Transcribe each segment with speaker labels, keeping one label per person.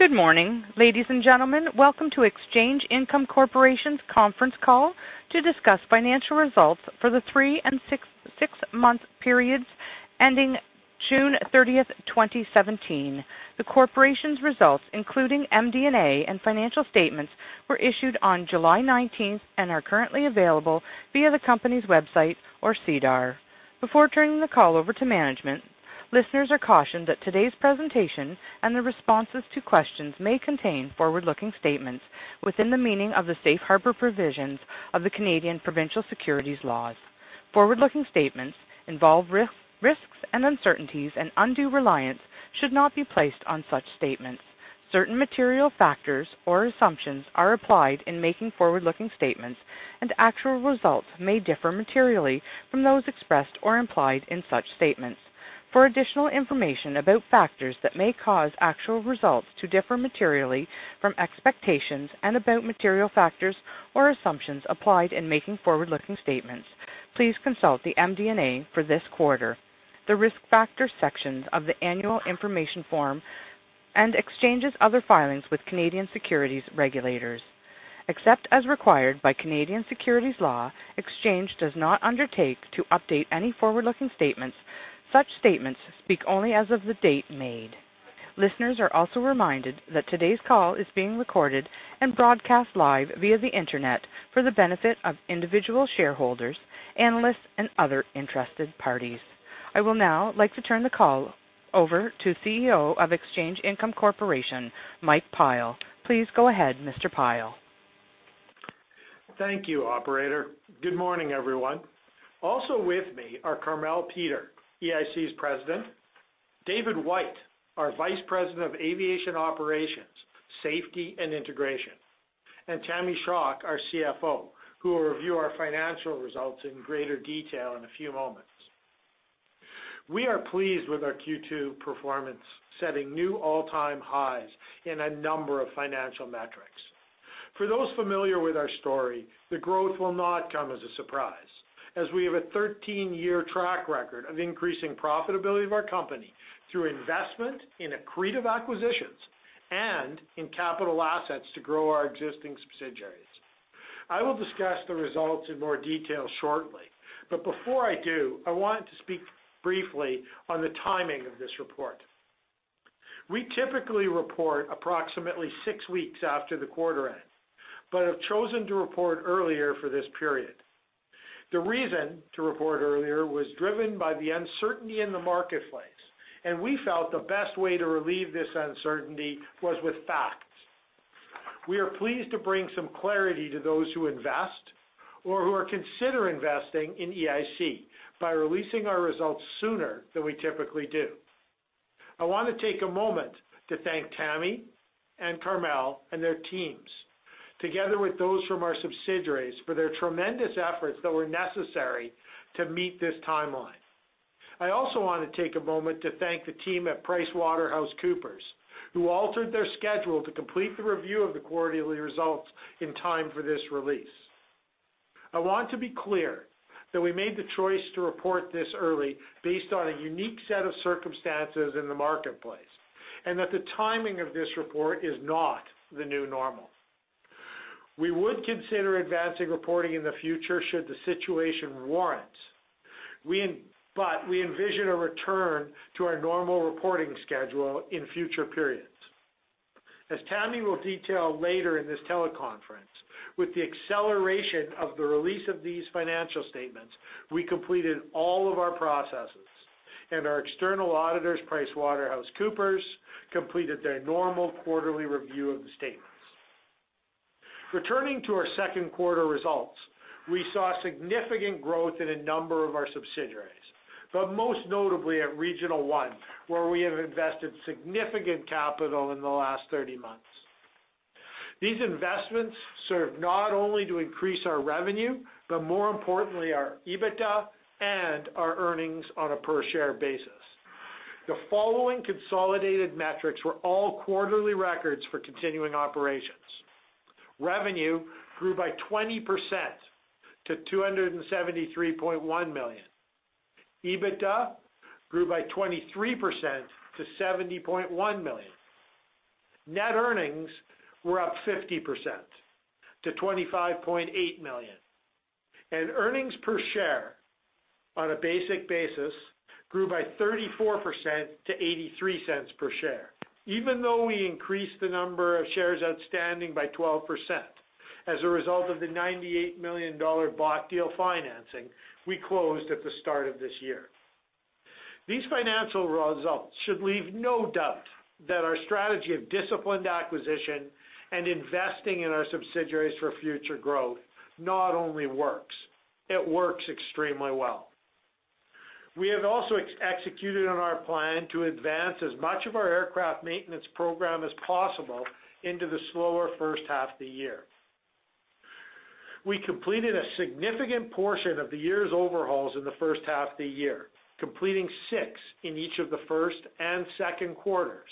Speaker 1: Good morning, ladies and gentlemen. Welcome to Exchange Income Corporation's conference call to discuss financial results for the three and six-month periods ending June 30th, 2017. The corporation's results, including MD&A and financial statements, were issued on July 19th and are currently available via the company's website or SEDAR. Before turning the call over to management, listeners are cautioned that today's presentation and the responses to questions may contain forward-looking statements within the meaning of the safe harbor provisions of the Canadian provincial securities laws. Forward-looking statements involve risks and uncertainties and undue reliance should not be placed on such statements. Certain material factors or assumptions are applied in making forward-looking statements, and actual results may differ materially from those expressed or implied in such statements. For additional information about factors that may cause actual results to differ materially from expectations and about material factors or assumptions applied in making forward-looking statements, please consult the MD&A for this quarter, the Risk Factors sections of the annual information form, and Exchange's other filings with Canadian securities regulators. Except as required by Canadian securities law, Exchange does not undertake to update any forward-looking statements. Such statements speak only as of the date made. Listeners are also reminded that today's call is being recorded and broadcast live via the internet for the benefit of individual shareholders, analysts and other interested parties. I will now like to turn the call over to CEO of Exchange Income Corporation, Mike Pyle. Please go ahead, Mr. Pyle.
Speaker 2: Thank you, operator. Good morning, everyone. Also with me are Carmele Peter, EIC's President, David White, our Vice President of Aviation Operations, Safety, and Integration, and Tamara Schock, our CFO, who will review our financial results in greater detail in a few moments. We are pleased with our Q2 performance, setting new all-time highs in a number of financial metrics. For those familiar with our story, the growth will not come as a surprise, as we have a 13-year track record of increasing profitability of our company through investment in accretive acquisitions and in capital assets to grow our existing subsidiaries. I will discuss the results in more detail shortly, but before I do, I want to speak briefly on the timing of this report. We typically report approximately six weeks after the quarter ends, but have chosen to report earlier for this period. The reason to report earlier was driven by the uncertainty in the marketplace, and we felt the best way to relieve this uncertainty was with facts. We are pleased to bring some clarity to those who invest or who are considering investing in EIC by releasing our results sooner than we typically do. I want to take a moment to thank Tammy and Carmele and their teams, together with those from our subsidiaries, for their tremendous efforts that were necessary to meet this timeline. I also want to take a moment to thank the team at PricewaterhouseCoopers, who altered their schedule to complete the review of the quarterly results in time for this release. I want to be clear that we made the choice to report this early based on a unique set of circumstances in the marketplace, and that the timing of this report is not the new normal. We would consider advancing reporting in the future should the situation warrant, but we envision a return to our normal reporting schedule in future periods. As Tammy will detail later in this teleconference, with the acceleration of the release of these financial statements, we completed all of our processes and our external auditors, PricewaterhouseCoopers, completed their normal quarterly review of the statements. Returning to our second quarter results, we saw significant growth in a number of our subsidiaries, but most notably at Regional One, where we have invested significant capital in the last 30 months. These investments serve not only to increase our revenue, but more importantly, our EBITDA and our earnings on a per share basis. The following consolidated metrics were all quarterly records for continuing operations. Revenue grew by 20% to 273.1 million. EBITDA grew by 23% to 70.1 million. Net earnings were up 50% to 25.8 million, and earnings per share on a basic basis grew by 34% to 0.83 per share. Even though we increased the number of shares outstanding by 12% as a result of the 98 million dollar bond deal financing we closed at the start of this year. These financial results should leave no doubt that our strategy of disciplined acquisition and investing in our subsidiaries for future growth not only works, it works extremely well. We have also executed on our plan to advance as much of our aircraft maintenance program as possible into the slower first half of the year. We completed a significant portion of the year's overhauls in the first half of the year, completing six in each of the first and second quarters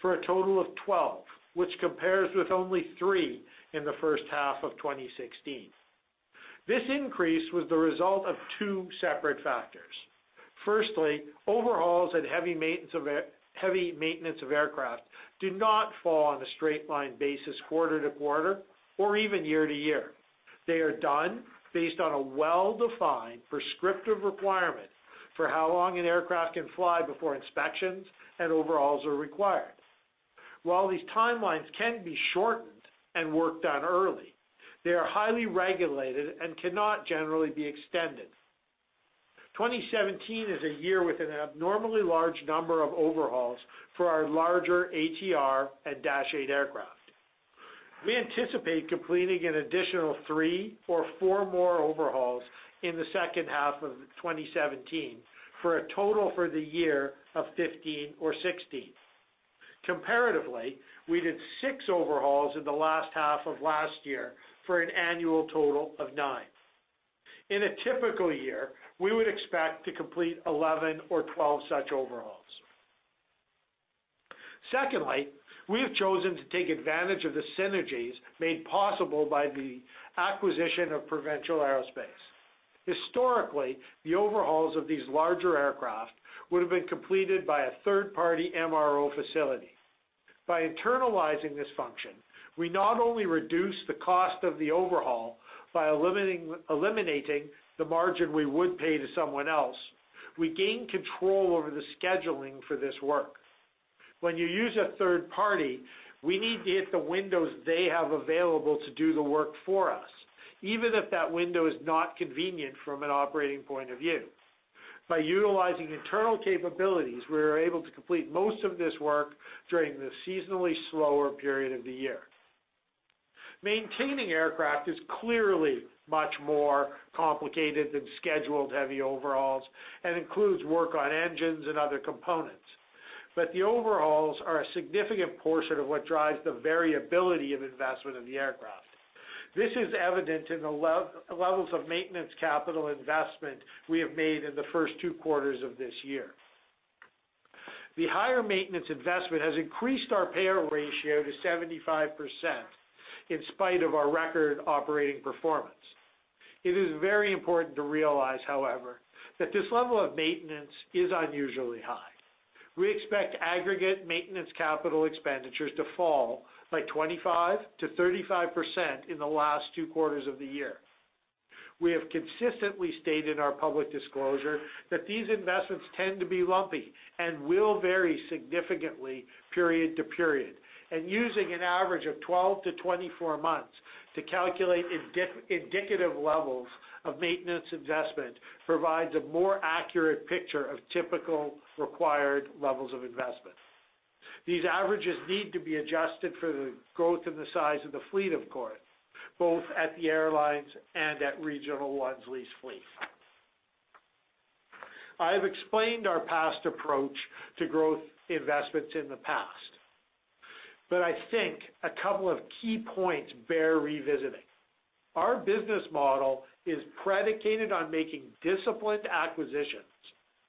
Speaker 2: for a total of 12, which compares with only three in the first half of 2016. This increase was the result of two separate factors. Firstly, overhauls and heavy maintenance of aircraft do not fall on a straight-line basis quarter to quarter or even year to year. They are done based on a well-defined prescriptive requirement for how long an aircraft can fly before inspections and overhauls are required. While these timelines can be shortened and work done early, they are highly regulated and cannot generally be extended. 2017 is a year with an abnormally large number of overhauls for our larger ATR and Dash 8 aircraft. We anticipate completing an additional three or four more overhauls in the second half of 2017 for a total for the year of 15 or 16. Comparatively, we did six overhauls in the last half of last year for an annual total of nine. In a typical year, we would expect to complete 11 or 12 such overhauls. Secondly, we have chosen to take advantage of the synergies made possible by the acquisition of Provincial Aerospace. Historically, the overhauls of these larger aircraft would have been completed by a third-party MRO facility. By internalizing this function, we not only reduce the cost of the overhaul by eliminating the margin we would pay to someone else, we gain control over the scheduling for this work. When you use a third party, we need to get the windows they have available to do the work for us, even if that window is not convenient from an operating point of view. By utilizing internal capabilities, we are able to complete most of this work during the seasonally slower period of the year. Maintaining aircraft is clearly much more complicated than scheduled heavy overhauls and includes work on engines and other components. The overhauls are a significant portion of what drives the variability of investment in the aircraft. This is evident in the levels of maintenance capital investment we have made in the first two quarters of this year. The higher maintenance investment has increased our payout ratio to 75% in spite of our record operating performance. It is very important to realize, however, that this level of maintenance is unusually high. We expect aggregate maintenance capital expenditures to fall by 25%-35% in the last two quarters of the year. We have consistently stated our public disclosure that these investments tend to be lumpy and will vary significantly period to period, and using an average of 12-24 months to calculate indicative levels of maintenance investment provides a more accurate picture of typical required levels of investment. These averages need to be adjusted for the growth and the size of the fleet, of course, both at the airlines and at Regional One's lease fleet. I have explained our past approach to growth investments in the past. I think a couple of key points bear revisiting. Our business model is predicated on making disciplined acquisitions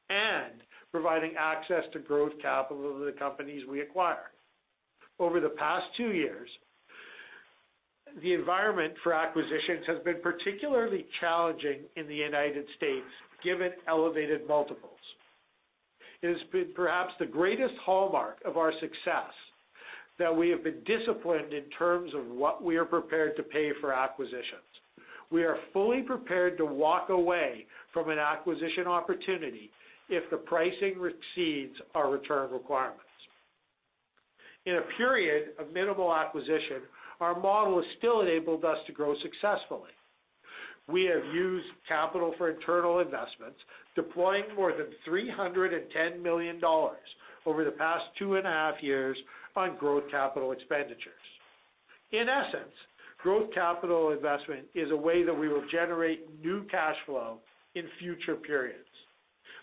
Speaker 2: and providing access to growth capital to the companies we acquire. Over the past two years, the environment for acquisitions has been particularly challenging in the U.S., given elevated multiples. It has been perhaps the greatest hallmark of our success that we have been disciplined in terms of what we are prepared to pay for acquisitions. We are fully prepared to walk away from an acquisition opportunity if the pricing exceeds our return requirements. In a period of minimal acquisition, our model has still enabled us to grow successfully. We have used capital for internal investments, deploying more than 310 million dollars over the past two and a half years on growth capital expenditures. In essence, growth capital investment is a way that we will generate new cash flow in future periods.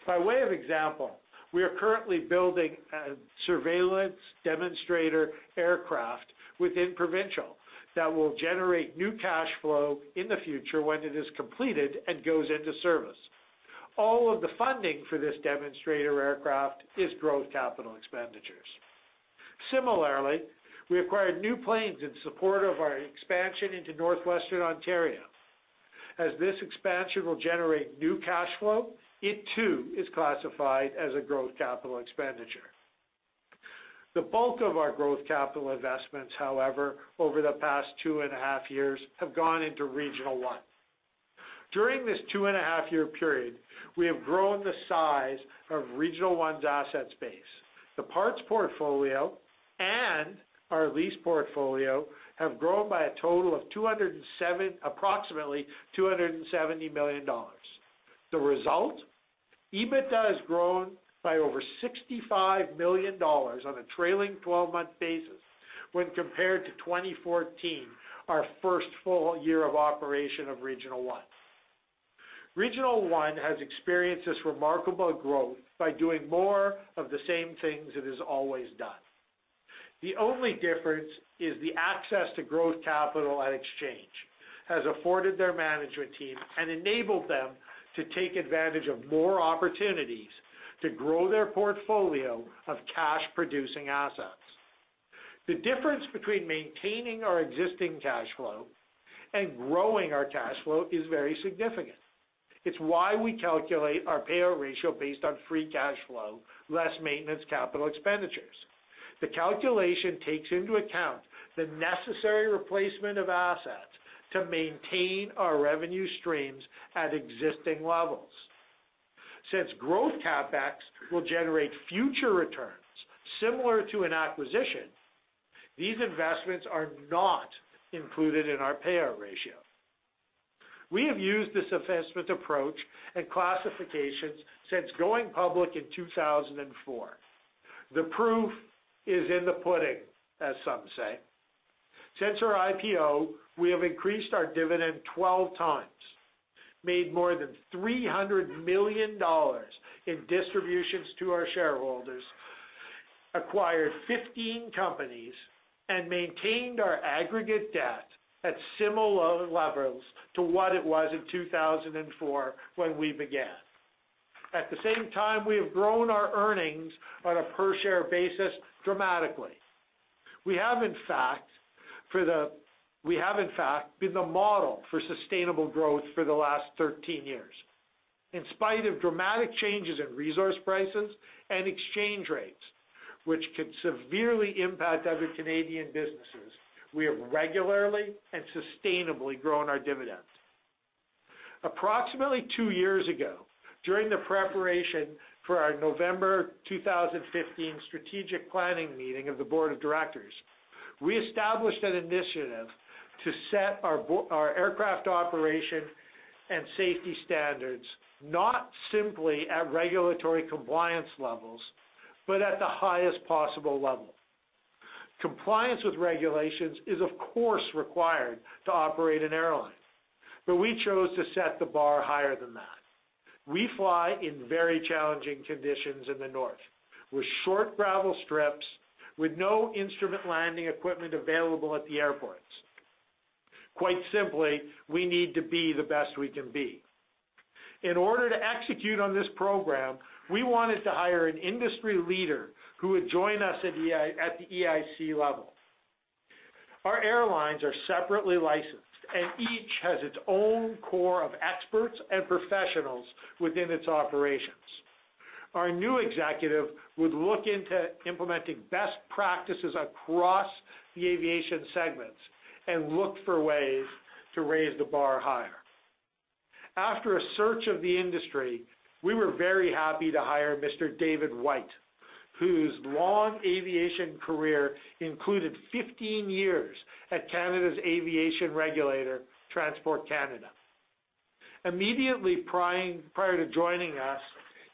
Speaker 2: By way of example, we are currently building a surveillance demonstrator aircraft within Provincial that will generate new cash flow in the future when it is completed and goes into service. All of the funding for this demonstrator aircraft is growth capital expenditures. Similarly, we acquired new planes in support of our expansion into Northwestern Ontario. As this expansion will generate new cash flow, it too is classified as a growth capital expenditure. The bulk of our growth capital investments, however, over the past two and a half years, have gone into Regional One. During this two-and-a-half-year period, we have grown the size of Regional One's asset base. The parts portfolio and our lease portfolio have grown by a total of approximately 270 million dollars. The result? EBITDA has grown by over 65 million dollars on a trailing 12-month basis when compared to 2014, our first full year of operation of Regional One. Regional One has experienced this remarkable growth by doing more of the same things it has always done. The only difference is the access to growth capital at Exchange has afforded their management team and enabled them to take advantage of more opportunities to grow their portfolio of cash-producing assets. The difference between maintaining our existing cash flow and growing our cash flow is very significant. It's why we calculate our payout ratio based on free cash flow less maintenance capital expenditures. The calculation takes into account the necessary replacement of assets to maintain our revenue streams at existing levels. Since growth CapEx will generate future returns similar to an acquisition, these investments are not included in our payout ratio. We have used this investment approach and classifications since going public in 2004. The proof is in the pudding, as some say. Since our IPO, we have increased our dividend 12 times, made more than 300 million dollars in distributions to our shareholders, acquired 15 companies, and maintained our aggregate debt at similar levels to what it was in 2004 when we began. At the same time, we have grown our earnings on a per-share basis dramatically. We have, in fact, been the model for sustainable growth for the last 13 years. In spite of dramatic changes in resource prices and exchange rates, which can severely impact other Canadian businesses, we have regularly and sustainably grown our dividends. Approximately two years ago, during the preparation for our November 2015 strategic planning meeting of the board of directors, we established an initiative to set our aircraft operation and safety standards not simply at regulatory compliance levels, but at the highest possible level. Compliance with regulations is, of course, required to operate an airline, but we chose to set the bar higher than that. We fly in very challenging conditions in the north with short gravel strips, with no instrument landing equipment available at the airports. Quite simply, we need to be the best we can be. In order to execute on this program, we wanted to hire an industry leader who would join us at the EIC level. Our airlines are separately licensed, and each has its own core of experts and professionals within its operations. Our new executive would look into implementing best practices across the aviation segments and look for ways to raise the bar higher. After a search of the industry, we were very happy to hire Mr. David White, whose long aviation career included 15 years at Canada's aviation regulator, Transport Canada. Immediately prior to joining us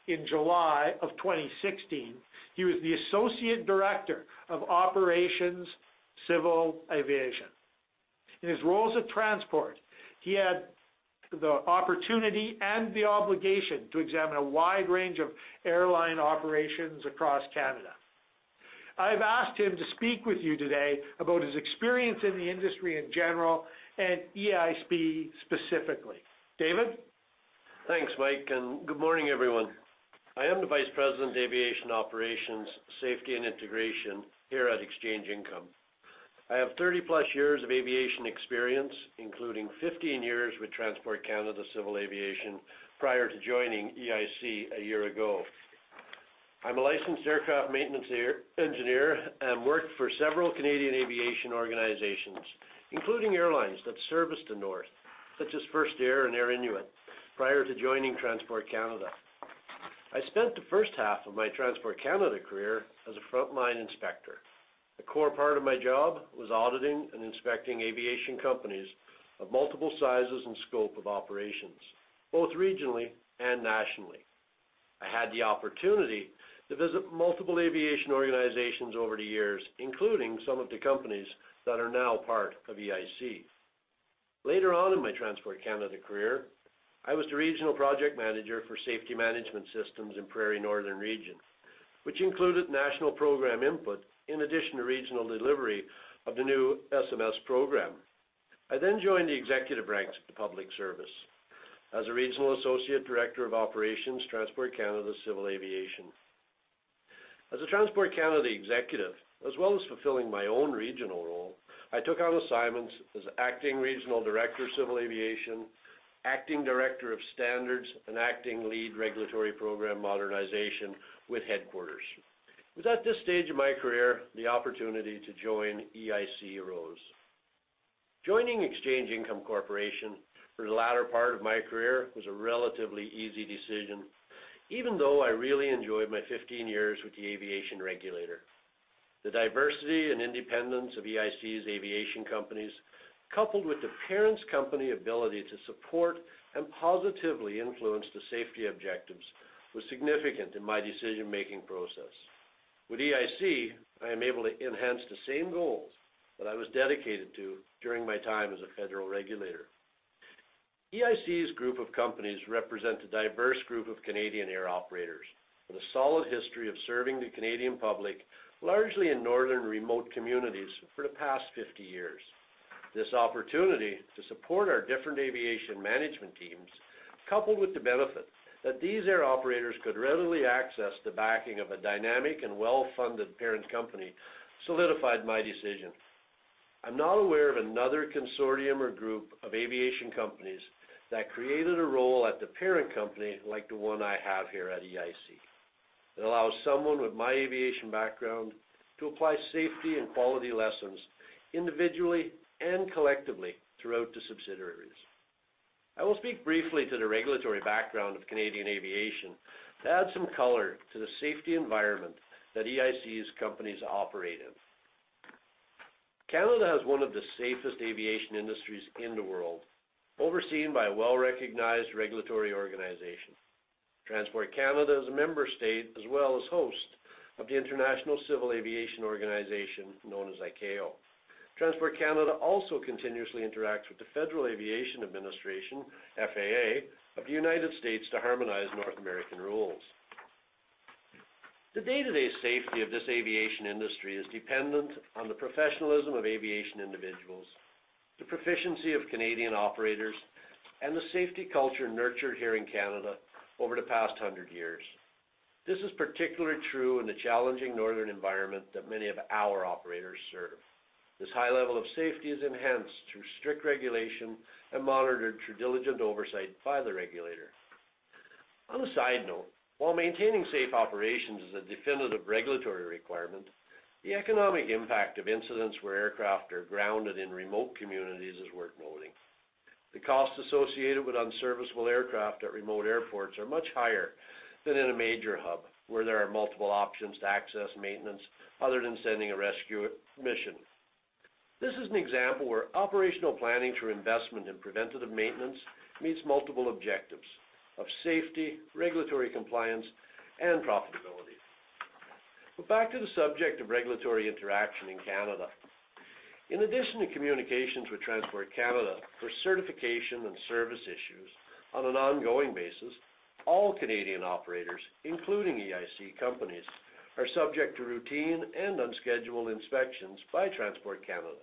Speaker 2: in July of 2016, he was the Associate Director of Operations, Civil Aviation. In his roles at Transport, he had the opportunity and the obligation to examine a wide range of airline operations across Canada. I've asked him to speak with you today about his experience in the industry in general and EIC specifically. David?
Speaker 3: Thanks, Mike, and good morning, everyone. I am the Vice President of Aviation Operations, Safety, and Integration here at Exchange Income. I have 30-plus years of aviation experience, including 15 years with Transport Canada Civil Aviation prior to joining EIC a year ago. I'm a licensed aircraft maintenance engineer and worked for several Canadian aviation organizations, including airlines that service the north, such as First Air and Air Inuit, prior to joining Transport Canada. I spent the first half of my Transport Canada career as a frontline inspector. A core part of my job was auditing and inspecting aviation companies of multiple sizes and scope of operations, both regionally and nationally. I had the opportunity to visit multiple aviation organizations over the years, including some of the companies that are now part of EIC. Later on in my Transport Canada career, I was the Regional Project Manager for Safety Management Systems in Prairie Northern Region, which included national program input in addition to regional delivery of the new SMS program. I then joined the executive ranks of the public service as a Regional Associate Director of Operations, Transport Canada Civil Aviation. As a Transport Canada executive, as well as fulfilling my own regional role, I took on assignments as Acting Regional Director, Civil Aviation, Acting Director of Standards, and Acting Lead Regulatory Program Modernization with headquarters. It was at this stage of my career the opportunity to join EIC arose. Joining Exchange Income Corporation for the latter part of my career was a relatively easy decision, even though I really enjoyed my 15 years with the aviation regulator. The diversity and independence of EIC's aviation companies, coupled with the parent company's ability to support and positively influence the safety objectives, was significant in my decision-making process. With EIC, I am able to enhance the same goals that I was dedicated to during my time as a federal regulator. EIC's group of companies represent a diverse group of Canadian air operators with a solid history of serving the Canadian public, largely in northern remote communities, for the past 50 years. This opportunity to support our different aviation management teams, coupled with the benefit that these air operators could readily access the backing of a dynamic and well-funded parent company, solidified my decision. I'm not aware of another consortium or group of aviation companies that created a role at the parent company like the one I have here at EIC. It allows someone with my aviation background to apply safety and quality lessons individually and collectively throughout the subsidiaries. I will speak briefly to the regulatory background of Canadian aviation to add some color to the safety environment that EIC's companies operate in. Canada has one of the safest aviation industries in the world, overseen by a well-recognized regulatory organization. Transport Canada is a member state as well as host of the International Civil Aviation Organization, known as ICAO. Transport Canada also continuously interacts with the Federal Aviation Administration, FAA, of the U.S. to harmonize North American rules. The day-to-day safety of this aviation industry is dependent on the professionalism of aviation individuals, the proficiency of Canadian operators, and the safety culture nurtured here in Canada over the past 100 years. This is particularly true in the challenging northern environment that many of our operators serve. This high level of safety is enhanced through strict regulation and monitored through diligent oversight by the regulator. On a side note, while maintaining safe operations is a definitive regulatory requirement, the economic impact of incidents where aircraft are grounded in remote communities is worth noting. The cost associated with unserviceable aircraft at remote airports are much higher than in a major hub, where there are multiple options to access maintenance other than sending a rescue mission. This is an example where operational planning through investment in preventative maintenance meets multiple objectives of safety, regulatory compliance, and profitability. Back to the subject of regulatory interaction in Canada. In addition to communications with Transport Canada for certification and service issues on an ongoing basis, all Canadian operators, including EIC companies, are subject to routine and unscheduled inspections by Transport Canada,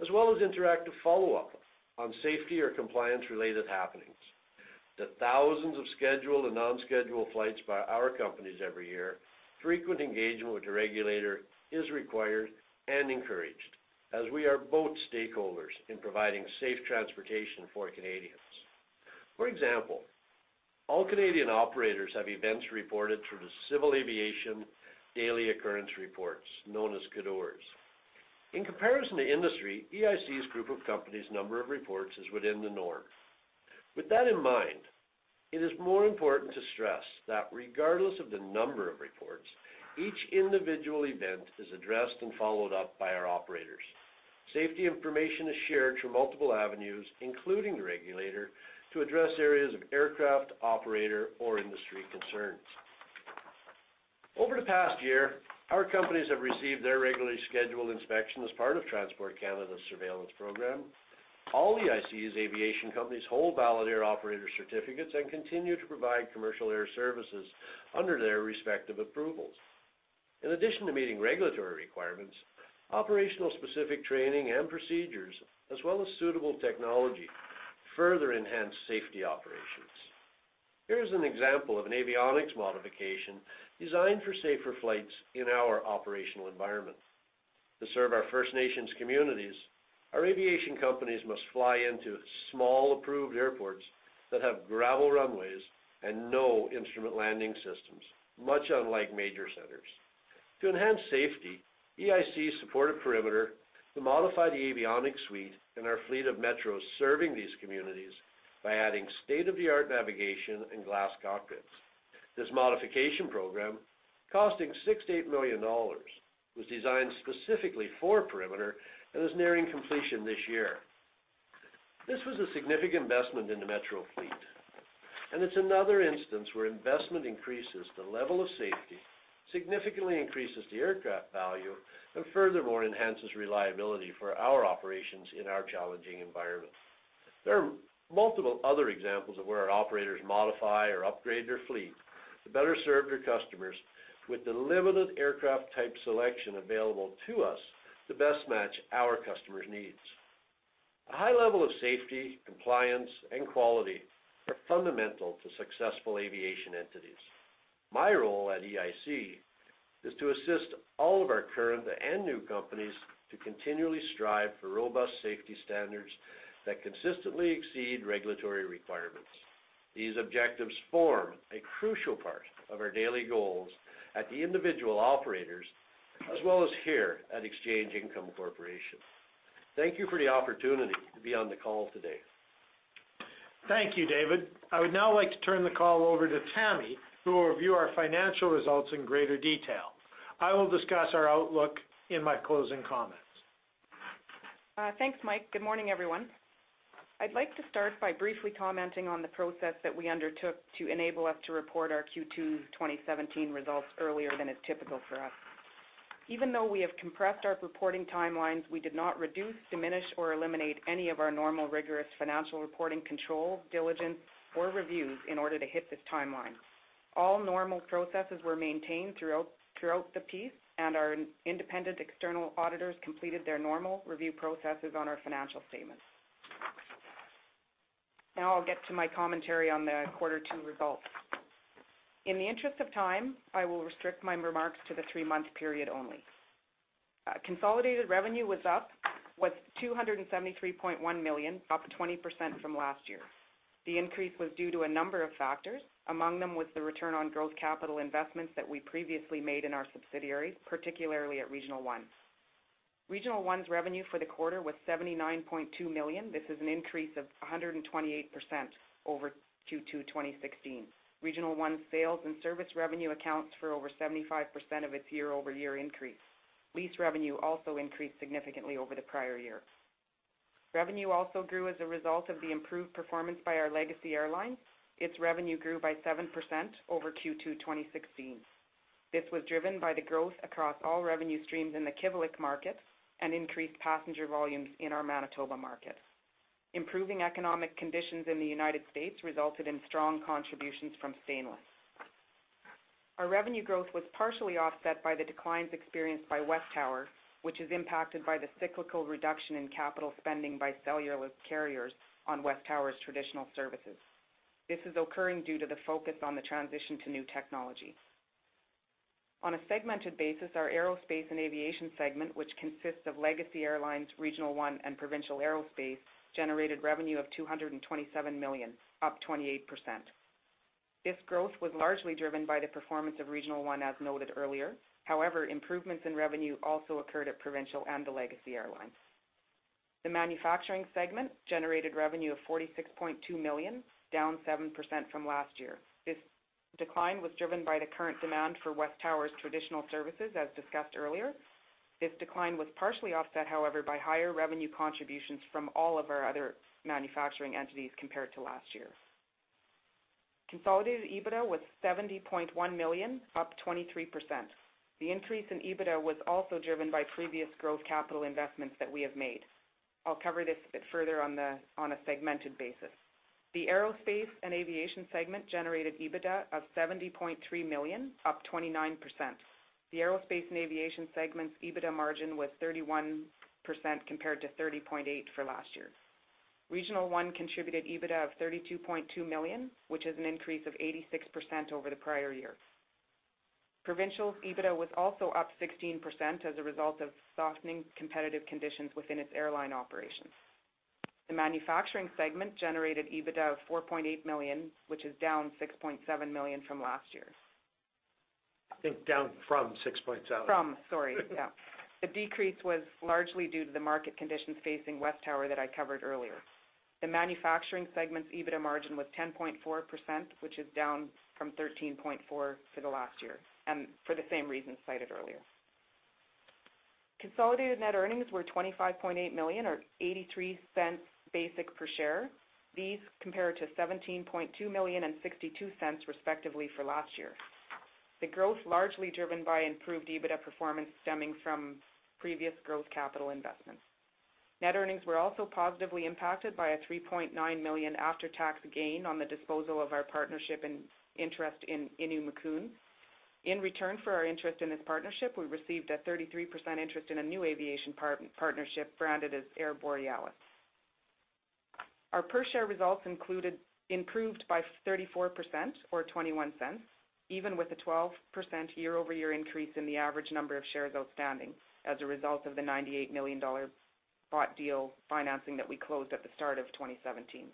Speaker 3: as well as interactive follow-up on safety or compliance-related happenings. The thousands of scheduled and non-scheduled flights by our companies every year, frequent engagement with the regulator is required and encouraged as we are both stakeholders in providing safe transportation for Canadians. For example, all Canadian operators have events reported through the Civil Aviation Daily Occurrence Reports, known as CADORs. In comparison to industry, EIC's group of companies' number of reports is within the norm. With that in mind, it is more important to stress that regardless of the number of reports, each individual event is addressed and followed up by our operators. Safety information is shared through multiple avenues, including the regulator, to address areas of aircraft operator or industry concerns. Over the past year, our companies have received their regularly scheduled inspection as part of Transport Canada's surveillance program. All EIC's aviation companies hold valid air operator certificates and continue to provide commercial air services under their respective approvals. In addition to meeting regulatory requirements, operational specific training and procedures, as well as suitable technology, further enhance safety operations. Here's an example of an avionics modification designed for safer flights in our operational environment. To serve our First Nations communities, our aviation companies must fly into small approved airports that have gravel runways and no instrument landing systems, much unlike major centers. To enhance safety, EIC supported Perimeter to modify the avionics suite in our fleet of Metros serving these communities by adding state-of-the-art navigation and glass cockpits. This modification program, costing 68 million dollars, was designed specifically for Perimeter and is nearing completion this year. This was a significant investment in the Metro fleet. It's another instance where investment increases the level of safety, significantly increases the aircraft value, and furthermore enhances reliability for our operations in our challenging environment. There are multiple other examples of where our operators modify or upgrade their fleet to better serve their customers with the limited aircraft type selection available to us to best match our customers' needs. A high level of safety, compliance, and quality are fundamental to successful aviation entities. My role at EIC is to assist all of our current and new companies to continually strive for robust safety standards that consistently exceed regulatory requirements. These objectives form a crucial part of our daily goals at the individual operators, as well as here at Exchange Income Corporation. Thank you for the opportunity to be on the call today.
Speaker 2: Thank you, David. I would now like to turn the call over to Tammy, who will review our financial results in greater detail. I will discuss our outlook in my closing comments.
Speaker 4: Thanks, Mike. Good morning, everyone. I'd like to start by briefly commenting on the process that we undertook to enable us to report our Q2 2017 results earlier than is typical for us. Even though we have compressed our reporting timelines, we did not reduce, diminish, or eliminate any of our normal rigorous financial reporting control, diligence, or reviews in order to hit this timeline. All normal processes were maintained throughout the piece, and our independent external auditors completed their normal review processes on our financial statements. Now I'll get to my commentary on the Quarter 2 results. In the interest of time, I will restrict my remarks to the three-month period only. Consolidated revenue was 273.1 million, up 20% from last year. The increase was due to a number of factors. Among them was the return on growth capital investments that we previously made in our subsidiaries, particularly at Regional One. Regional One's revenue for the quarter was $79.2 million. This is an increase of 128% over Q2 2016. Regional One sales and service revenue accounts for over 75% of its year-over-year increase. Lease revenue also increased significantly over the prior year. Revenue also grew as a result of the improved performance by our Legacy Airlines. Its revenue grew by 7% over Q2 2016. This was driven by the growth across all revenue streams in the Kivalliq market and increased passenger volumes in our Manitoba markets. Improving economic conditions in the United States resulted in strong contributions from Stainless. Our revenue growth was partially offset by the declines experienced by WesTower, which is impacted by the cyclical reduction in capital spending by cellular carriers on WesTower's traditional services. This is occurring due to the focus on the transition to new technology. On a segmented basis, our Aerospace and Aviation segment, which consists of Legacy Airlines, Regional One, and Provincial Aerospace, generated revenue of 227 million, up 28%. This growth was largely driven by the performance of Regional One, as noted earlier. However, improvements in revenue also occurred at Provincial and the Legacy Airlines. The Manufacturing segment generated revenue of 46.2 million, down 7% from last year. This decline was driven by the current demand for WesTower's traditional services, as discussed earlier. This decline was partially offset, however, by higher revenue contributions from all of our other manufacturing entities compared to last year. Consolidated EBITDA was 70.1 million, up 23%. The increase in EBITDA was also driven by previous growth capital investments that we have made. I'll cover this a bit further on a segmented basis. The Aerospace and Aviation segment generated EBITDA of 70.3 million, up 29%. The Aerospace and Aviation segment's EBITDA margin was 31% compared to 30.8% for last year. Regional One contributed EBITDA of $32.2 million, which is an increase of 86% over the prior year. Provincial's EBITDA was also up 16% as a result of softening competitive conditions within its airline operations. The Manufacturing segment generated EBITDA of 4.8 million, which is down 6.7 million from last year.
Speaker 2: I think down from 6.7.
Speaker 4: Sorry. Yeah. The decrease was largely due to the market conditions facing WesTower that I covered earlier. The Manufacturing segment's EBITDA margin was 10.4%, which is down from 13.4% for the last year, and for the same reasons cited earlier. Consolidated net earnings were 25.8 million, or 0.83 basic per share. These compare to 17.2 million and 0.62, respectively, for last year. The growth largely driven by improved EBITDA performance stemming from previous growth capital investments. Net earnings were also positively impacted by a 3.9 million after-tax gain on the disposal of our partnership and interest in Innu Mikun. In return for our interest in this partnership, we received a 33% interest in a new aviation partnership branded as Air Borealis. Our per-share results improved by 34%, or 0.21, even with a 12% year-over-year increase in the average number of shares outstanding as a result of the 98 million dollar bought deal financing that we closed at the start of 2017.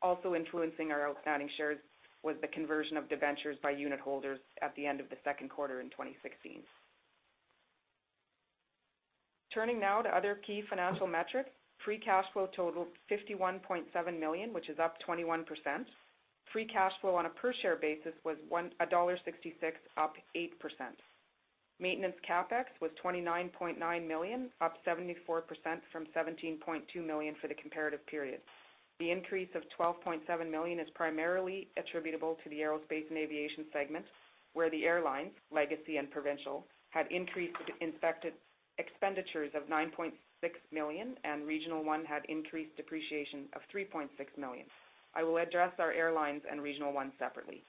Speaker 4: Also influencing our outstanding shares was the conversion of debentures by unit holders at the end of the second quarter in 2016. Turning now to other key financial metrics. Free cash flow totaled 51.7 million, which is up 21%. Free cash flow on a per-share basis was 1.66 dollar, up 8%. Maintenance CapEx was 29.9 million, up 74% from 17.2 million for the comparative period. The increase of 12.7 million is primarily attributable to the Aerospace and Aviation segment, where the airlines, Legacy and Provincial, had increased expenditures of 9.6 million, and Regional One had increased depreciation of 3.6 million. I will address our airlines and Regional One separately.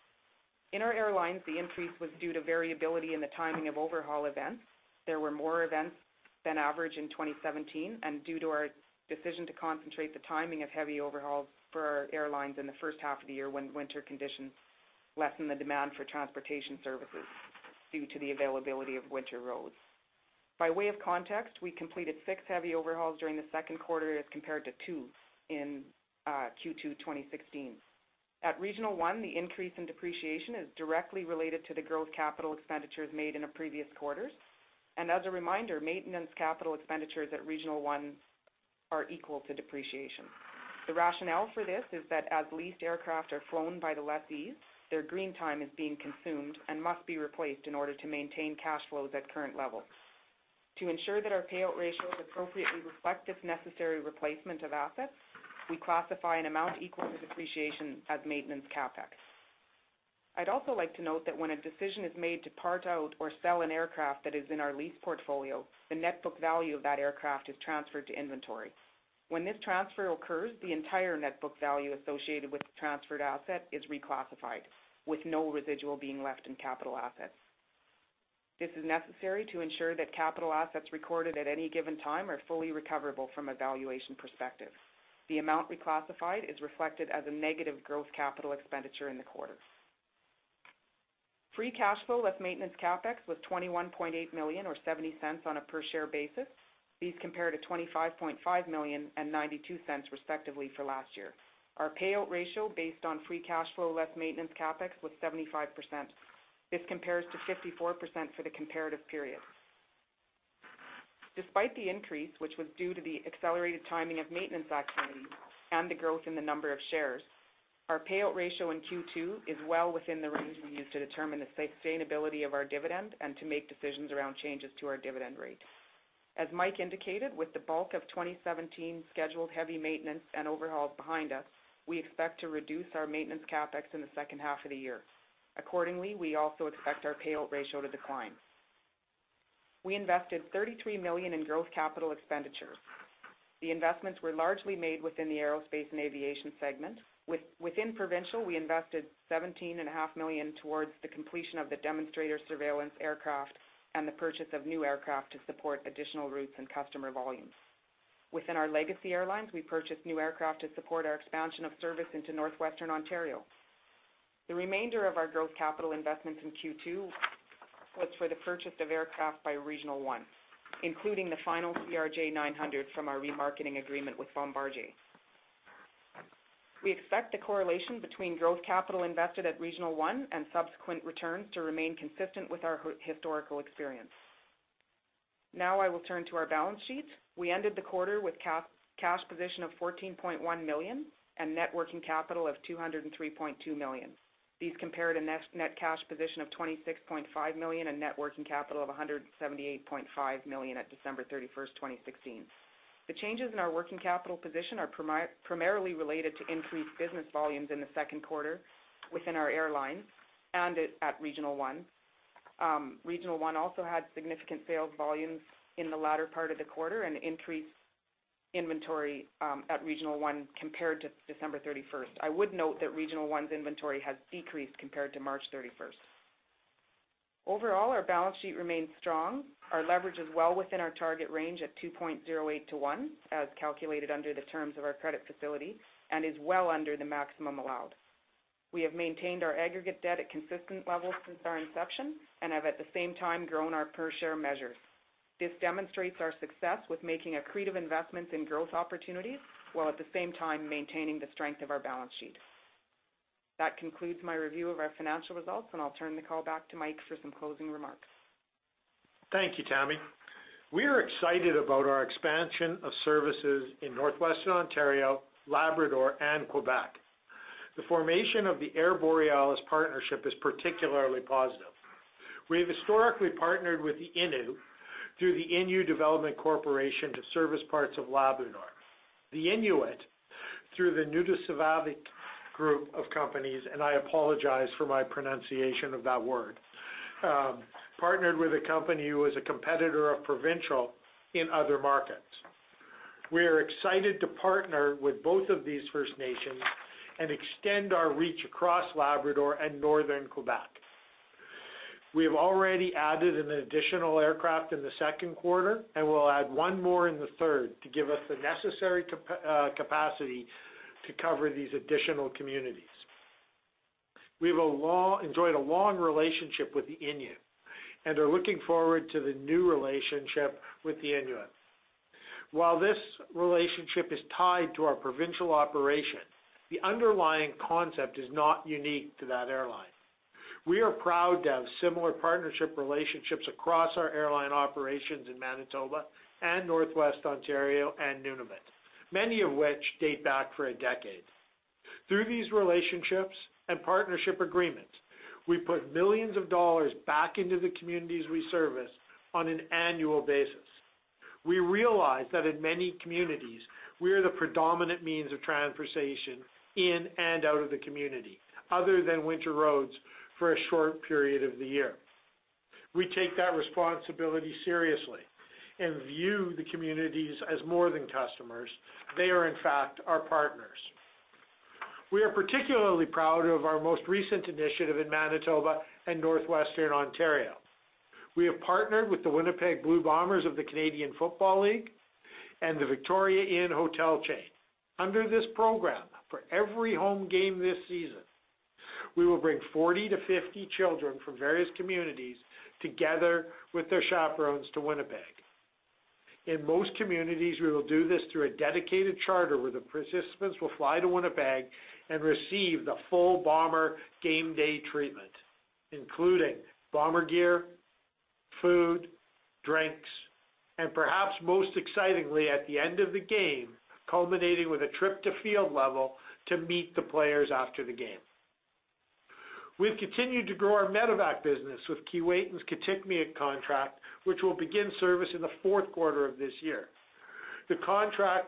Speaker 4: In our airlines, the increase was due to variability in the timing of overhaul events. There were more events than average in 2017, and due to our decision to concentrate the timing of heavy overhauls for our airlines in the first half of the year when winter conditions lessen the demand for transportation services due to the availability of winter roads. By way of context, we completed six heavy overhauls during the second quarter as compared to two in Q2 2016. At Regional One, the increase in depreciation is directly related to the growth capital expenditures made in the previous quarters. As a reminder, maintenance capital expenditures at Regional One are equal to depreciation. The rationale for this is that as leased aircraft are flown by the lessees, their green time is being consumed and must be replaced in order to maintain cash flows at current levels. To ensure that our payout ratio is appropriately reflective of necessary replacement of assets, we classify an amount equal to depreciation as maintenance CapEx. I'd also like to note that when a decision is made to part out or sell an aircraft that is in our lease portfolio, the net book value of that aircraft is transferred to inventory. When this transfer occurs, the entire net book value associated with the transferred asset is reclassified, with no residual being left in capital assets. This is necessary to ensure that capital assets recorded at any given time are fully recoverable from a valuation perspective. The amount reclassified is reflected as a negative growth capital expenditure in the quarter. Free cash flow less maintenance CapEx was 21.8 million, or 0.70 on a per share basis. These compare to 25.5 million and 0.92, respectively, for last year. Our payout ratio based on free cash flow less maintenance CapEx was 75%. This compares to 54% for the comparative period. Despite the increase, which was due to the accelerated timing of maintenance activities and the growth in the number of shares, our payout ratio in Q2 is well within the range we use to determine the sustainability of our dividend and to make decisions around changes to our dividend rate. As Mike indicated, with the bulk of 2017 scheduled heavy maintenance and overhauls behind us, we expect to reduce our maintenance CapEx in the second half of the year. Accordingly, we also expect our payout ratio to decline. We invested 33 million in growth capital expenditure. The investments were largely made within the aerospace and aviation segment. Within Provincial, we invested 17.5 million towards the completion of the demonstrator surveillance aircraft and the purchase of new aircraft to support additional routes and customer volumes. Within our Legacy Airlines, we purchased new aircraft to support our expansion of service into Northwestern Ontario. The remainder of our growth capital investments in Q2 was for the purchase of aircraft by Regional One, including the final CRJ-900 from our remarketing agreement with Bombardier. We expect the correlation between growth capital invested at Regional One and subsequent returns to remain consistent with our historical experience. Now I will turn to our balance sheet. We ended the quarter with cash position of 14.1 million and net working capital of 203.2 million. These compare to net cash position of 26.5 million and net working capital of 178.5 million at December 31st, 2016. The changes in our working capital position are primarily related to increased business volumes in the second quarter within our airlines and at Regional One. Regional One also had significant sales volumes in the latter part of the quarter and increased inventory at Regional One compared to December 31st. I would note that Regional One's inventory has decreased compared to March 31st. Overall, our balance sheet remains strong. Our leverage is well within our target range at 2.08 to one, as calculated under the terms of our credit facility and is well under the maximum allowed. We have maintained our aggregate debt at consistent levels since our inception and have at the same time grown our per share measures. This demonstrates our success with making accretive investments in growth opportunities while at the same time maintaining the strength of our balance sheet. That concludes my review of our financial results. I'll turn the call back to Mike for some closing remarks.
Speaker 2: Thank you, Tammy. We are excited about our expansion of services in Northwestern Ontario, Labrador, and Quebec. The formation of the Air Borealis partnership is particularly positive. We have historically partnered with the Innu through the Innu Development Limited Partnership to service parts of Labrador. The Inuit through the Nunatsiavut Group of Companies, and I apologize for my pronunciation of that word, partnered with a company who is a competitor of Provincial in other markets. We are excited to partner with both of these First Nations and extend our reach across Labrador and Northern Quebec. We have already added an additional aircraft in the second quarter. We'll add one more in the third to give us the necessary capacity to cover these additional communities. We have enjoyed a long relationship with the Innu and are looking forward to the new relationship with the Inuit. While this relationship is tied to our Provincial operation, the underlying concept is not unique to that airline. We are proud to have similar partnership relationships across our airline operations in Manitoba and Northwestern Ontario and Nunavut, many of which date back for a decade. Through these relationships and partnership agreements, we put millions of dollars back into the communities we service on an annual basis. We realize that in many communities, we are the predominant means of transportation in and out of the community other than winter roads for a short period of the year. We take that responsibility seriously and view the communities as more than customers. They are, in fact, our partners. We are particularly proud of our most recent initiative in Manitoba and Northwestern Ontario. We have partnered with the Winnipeg Blue Bombers of the Canadian Football League and the Victoria Inn Hotel chain. Under this program, for every home game this season, we will bring 40 to 50 children from various communities together with their chaperones to Winnipeg. In most communities, we will do this through a dedicated charter where the participants will fly to Winnipeg and receive the full Bomber game day treatment, including Bomber gear, food, drinks, and perhaps most excitingly, at the end of the game, culminating with a trip to field level to meet the players after the game. We've continued to grow our medevac business with Keewatin's Kitikmeot contract, which will begin service in the fourth quarter of this year. The contract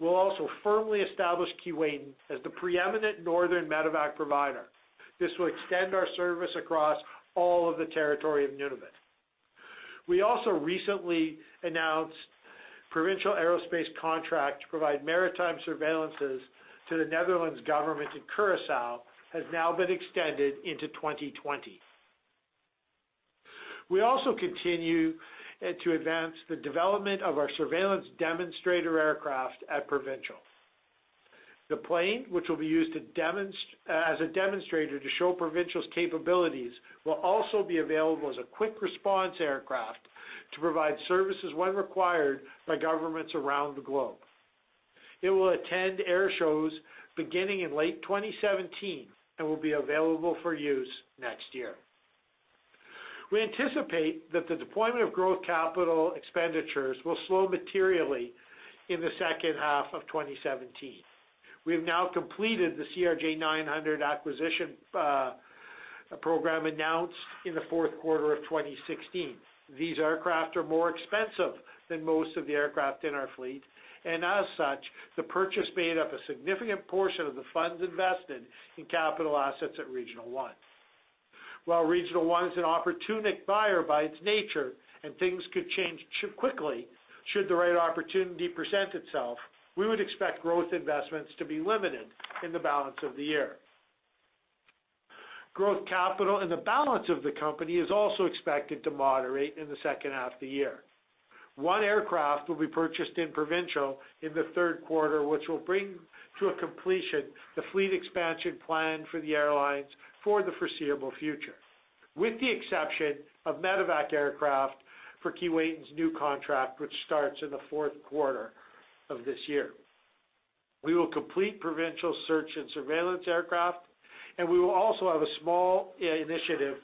Speaker 2: will also firmly establish Keewatin as the preeminent northern medevac provider. This will extend our service across all of the territory of Nunavut. We also recently announced Provincial Aerospace contract to provide maritime surveillances to the Netherlands government in Curaçao, has now been extended into 2020. We also continue to advance the development of our surveillance demonstrator aircraft at Provincial. The plane, which will be used as a demonstrator to show Provincial's capabilities, will also be available as a quick response aircraft to provide services when required by governments around the globe. It will attend air shows beginning in late 2017 and will be available for use next year. We anticipate that the deployment of growth capital expenditures will slow materially in the second half of 2017. We have now completed the CRJ900 acquisition program announced in the fourth quarter of 2016. These aircraft are more expensive than most of the aircraft in our fleet, and as such, the purchase made up a significant portion of the funds invested in capital assets at Regional One. Regional One is an opportunistic buyer by its nature and things could change quickly should the right opportunity present itself, we would expect growth investments to be limited in the balance of the year. Growth capital in the balance of the company is also expected to moderate in the second half of the year. One aircraft will be purchased in Provincial in the third quarter, which will bring to a completion the fleet expansion plan for the airlines for the foreseeable future, with the exception of Medevac aircraft for Keewatin Air's new contract, which starts in the fourth quarter of this year. We will complete Provincial search and surveillance aircraft, and we will also have a small initiative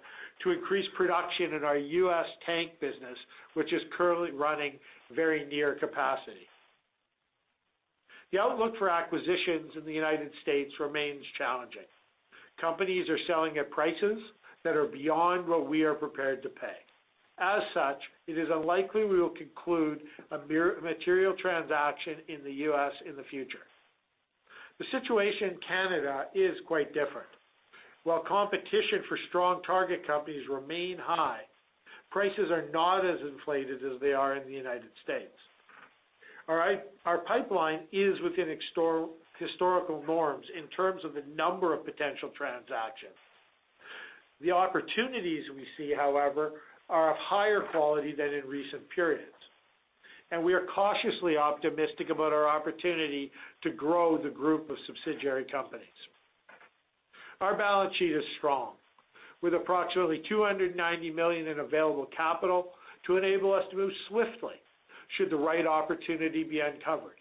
Speaker 2: to increase production in our U.S. tank business, which is currently running very near capacity. The outlook for acquisitions in the United States remains challenging. Companies are selling at prices that are beyond what we are prepared to pay. It is unlikely we will conclude a material transaction in the U.S. in the future. The situation in Canada is quite different. Competition for strong target companies remain high, prices are not as inflated as they are in the United States. Our pipeline is within historical norms in terms of the number of potential transactions. The opportunities we see, however, are of higher quality than in recent periods, and we are cautiously optimistic about our opportunity to grow the group of subsidiary companies. Our balance sheet is strong, with approximately 290 million in available capital to enable us to move swiftly should the right opportunity be uncovered.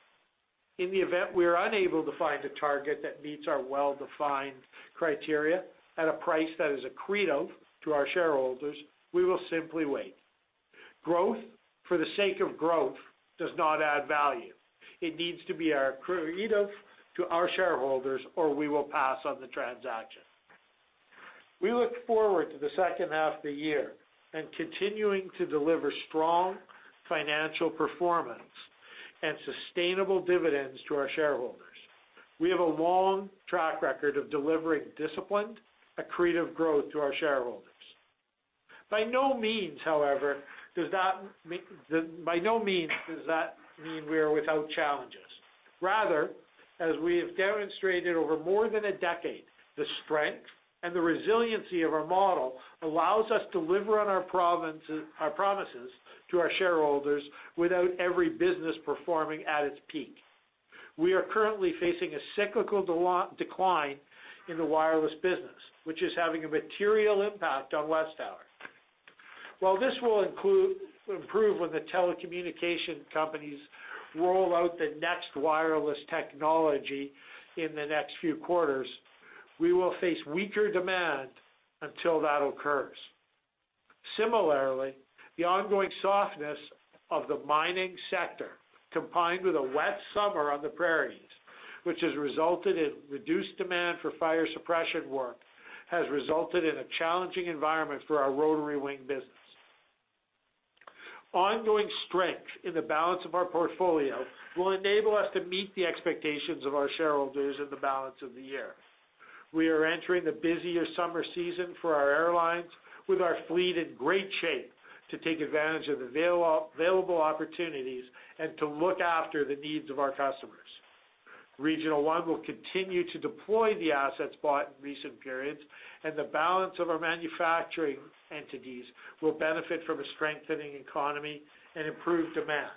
Speaker 2: In the event we are unable to find a target that meets our well-defined criteria at a price that is accretive to our shareholders, we will simply wait. Growth for the sake of growth does not add value. It needs to be accretive to our shareholders, or we will pass on the transaction. We look forward to the second half of the year and continuing to deliver strong financial performance and sustainable dividends to our shareholders. We have a long track record of delivering disciplined, accretive growth to our shareholders. By no means does that mean we are without challenges. Rather, as we have demonstrated over more than a decade, the strength and the resiliency of our model allows us deliver on our promises to our shareholders without every business performing at its peak. We are currently facing a cyclical decline in the wireless business, which is having a material impact on WesTower. While this will improve when the telecommunication companies roll out the next wireless technology in the next few quarters, we will face weaker demand until that occurs. Similarly, the ongoing softness of the mining sector, combined with a wet summer on the prairies, which has resulted in reduced demand for fire suppression work, has resulted in a challenging environment for our rotary wing business. Ongoing strength in the balance of our portfolio will enable us to meet the expectations of our shareholders in the balance of the year. We are entering the busier summer season for our airlines, with our fleet in great shape to take advantage of available opportunities and to look after the needs of our customers. Regional One will continue to deploy the assets bought in recent periods, and the balance of our manufacturing entities will benefit from a strengthening economy and improved demand.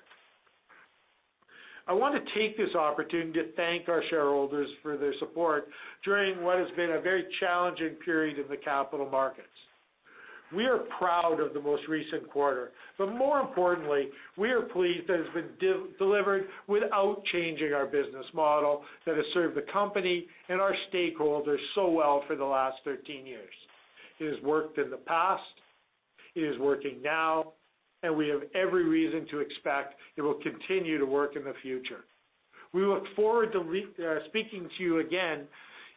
Speaker 2: I want to take this opportunity to thank our shareholders for their support during what has been a very challenging period in the capital markets. We are proud of the most recent quarter, but more importantly, we are pleased that it's been delivered without changing our business model that has served the company and our stakeholders so well for the last 13 years. It has worked in the past, it is working now, we have every reason to expect it will continue to work in the future. We look forward to speaking to you again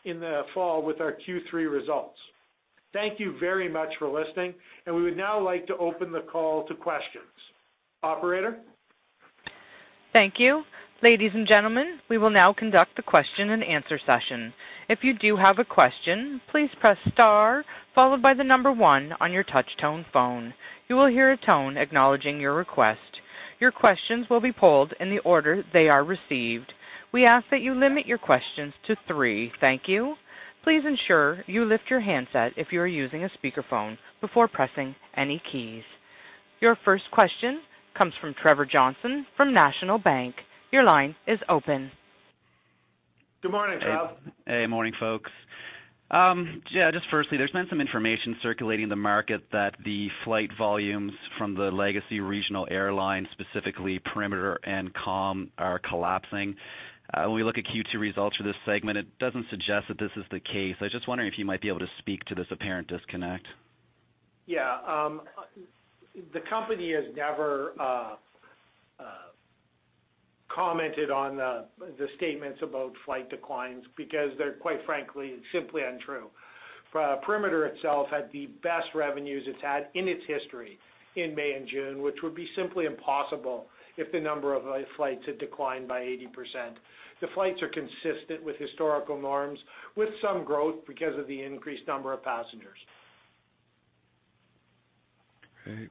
Speaker 2: in the fall with our Q3 results. Thank you very much for listening, we would now like to open the call to questions. Operator?
Speaker 1: Thank you. Ladies and gentlemen, we will now conduct the question and answer session. If you do have a question, please press star followed by the number one on your touchtone phone. You will hear a tone acknowledging your request. Your questions will be polled in the order they are received. We ask that you limit your questions to three. Thank you. Please ensure you lift your handset if you are using a speakerphone before pressing any keys. Your first question comes from Trevor Johnson from National Bank. Your line is open.
Speaker 2: Good morning, Trevor.
Speaker 5: Morning, folks. Firstly, there's been some information circulating the market that the flight volumes from the Legacy Regional Airlines, specifically Perimeter and Calm Air, are collapsing. When we look at Q2 results for this segment, it doesn't suggest that this is the case. I was just wondering if you might be able to speak to this apparent disconnect.
Speaker 2: The company has never commented on the statements about flight declines because they're, quite frankly, simply untrue. Perimeter itself had the best revenues it's had in its history in May and June, which would be simply impossible if the number of flights had declined by 80%. The flights are consistent with historical norms, with some growth because of the increased number of passengers.
Speaker 5: Great.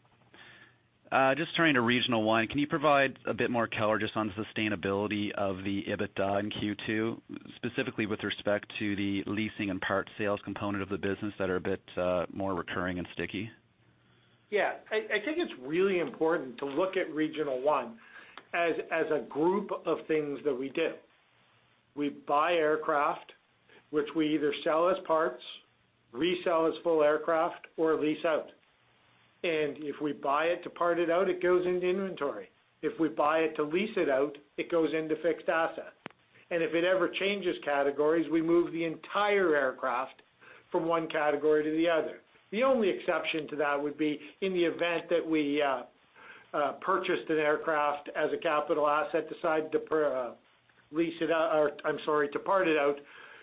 Speaker 5: Just turning to Regional One, can you provide a bit more color just on sustainability of the EBITDA in Q2, specifically with respect to the leasing and parts sales component of the business that are a bit more recurring and sticky?
Speaker 2: I think it's really important to look at Regional One as a group of things that we do. We buy aircraft, which we either sell as parts, resell as full aircraft, or lease out. If we buy it to part it out, it goes into inventory. If we buy it to lease it out, it goes into fixed assets. If it ever changes categories, we move the entire aircraft from one category to the other. The only exception to that would be in the event that we purchased an aircraft as a capital asset, decide to part it out.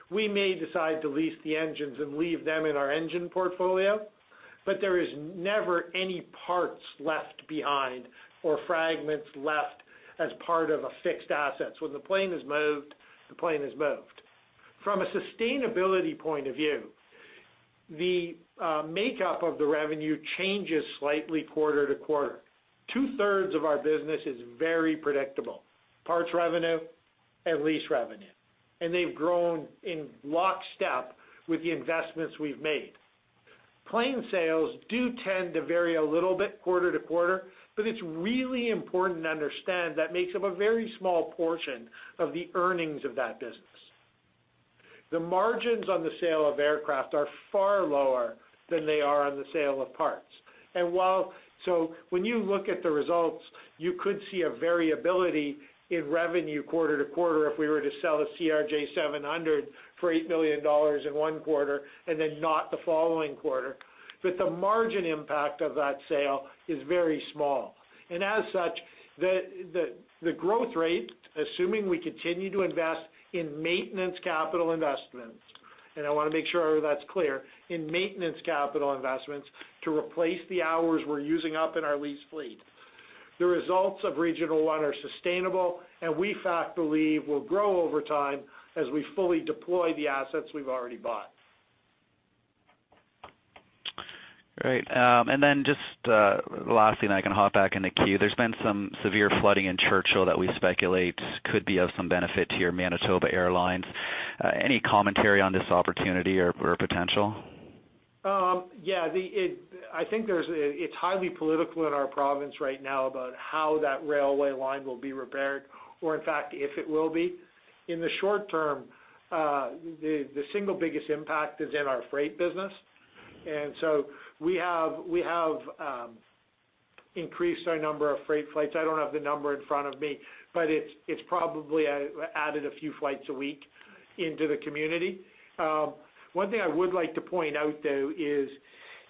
Speaker 2: We may decide to lease the engines and leave them in our engine portfolio, but there is never any parts left behind or fragments left as part of a fixed asset. When the plane is moved, the plane is moved. From a sustainability point of view, the makeup of the revenue changes slightly quarter to quarter. Two-thirds of our business is very predictable, parts revenue and lease revenue, and they've grown in lockstep with the investments we've made. Plane sales do tend to vary a little bit quarter to quarter, but it's really important to understand that makes up a very small portion of the earnings of that business. The margins on the sale of aircraft are far lower than they are on the sale of parts. When you look at the results, you could see a variability in revenue quarter to quarter if we were to sell a CRJ700 for 8 million dollars in one quarter and then not the following quarter, but the margin impact of that sale is very small. As such, the growth rate, assuming we continue to invest in maintenance capital investments, and I want to make sure that's clear, in maintenance capital investments to replace the hours we're using up in our lease fleet. The results of Regional One are sustainable, and we in fact believe will grow over time as we fully deploy the assets we've already bought.
Speaker 5: Great. Then just the last thing, I can hop back in the queue. There's been some severe flooding in Churchill that we speculate could be of some benefit to your Manitoba Airlines. Any commentary on this opportunity or potential?
Speaker 2: Yeah. I think it's highly political in our province right now about how that railway line will be repaired or in fact, if it will be. In the short term, the single biggest impact is in our freight business, so we have increased our number of freight flights. I don't have the number in front of me, but it's probably added a few flights a week into the community. One thing I would like to point out, though, is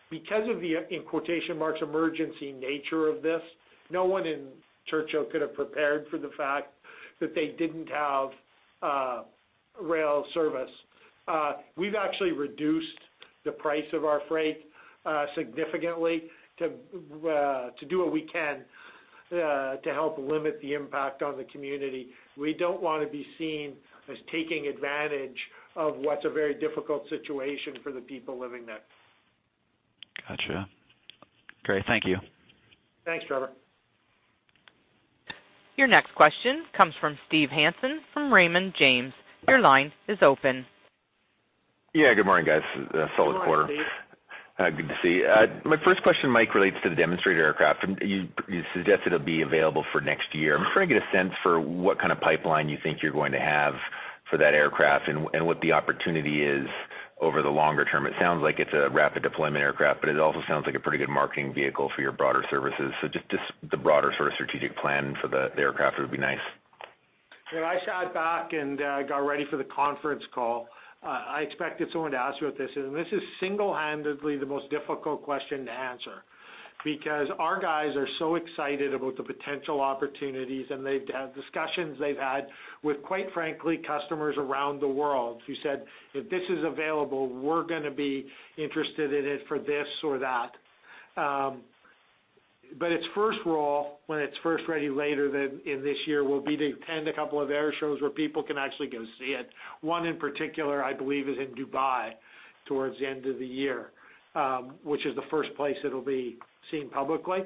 Speaker 2: because of the, in quotation marks, "emergency nature" of this, no one in Churchill could have prepared for the fact that they didn't have rail service. We've actually reduced the price of our freight significantly to do what we can to help limit the impact on the community. We don't want to be seen as taking advantage of what's a very difficult situation for the people living there.
Speaker 5: Got you. Great. Thank you.
Speaker 2: Thanks, Trevor.
Speaker 1: Your next question comes from Steve Hansen from Raymond James. Your line is open.
Speaker 6: Yeah. Good morning, guys. Solid quarter.
Speaker 2: Good morning, Steve.
Speaker 6: Good to see you. My first question, Mike, relates to the demonstrator aircraft. You suggest it'll be available for next year. I'm trying to get a sense for what kind of pipeline you think you're going to have for that aircraft and what the opportunity is over the longer term. It sounds like it's a rapid deployment aircraft, but it also sounds like a pretty good marketing vehicle for your broader services. Just the broader sort of strategic plan for the aircraft would be nice.
Speaker 2: When I sat back and got ready for the conference call, I expected someone to ask about this, and this is single-handedly the most difficult question to answer because our guys are so excited about the potential opportunities and the discussions they've had with, quite frankly, customers around the world who said, "If this is available, we're going to be interested in it for this or that." Its first role, when it's first ready later in this year, will be to attend a couple of air shows where people can actually go see it. One in particular, I believe, is in Dubai towards the end of the year, which is the first place it'll be seen publicly.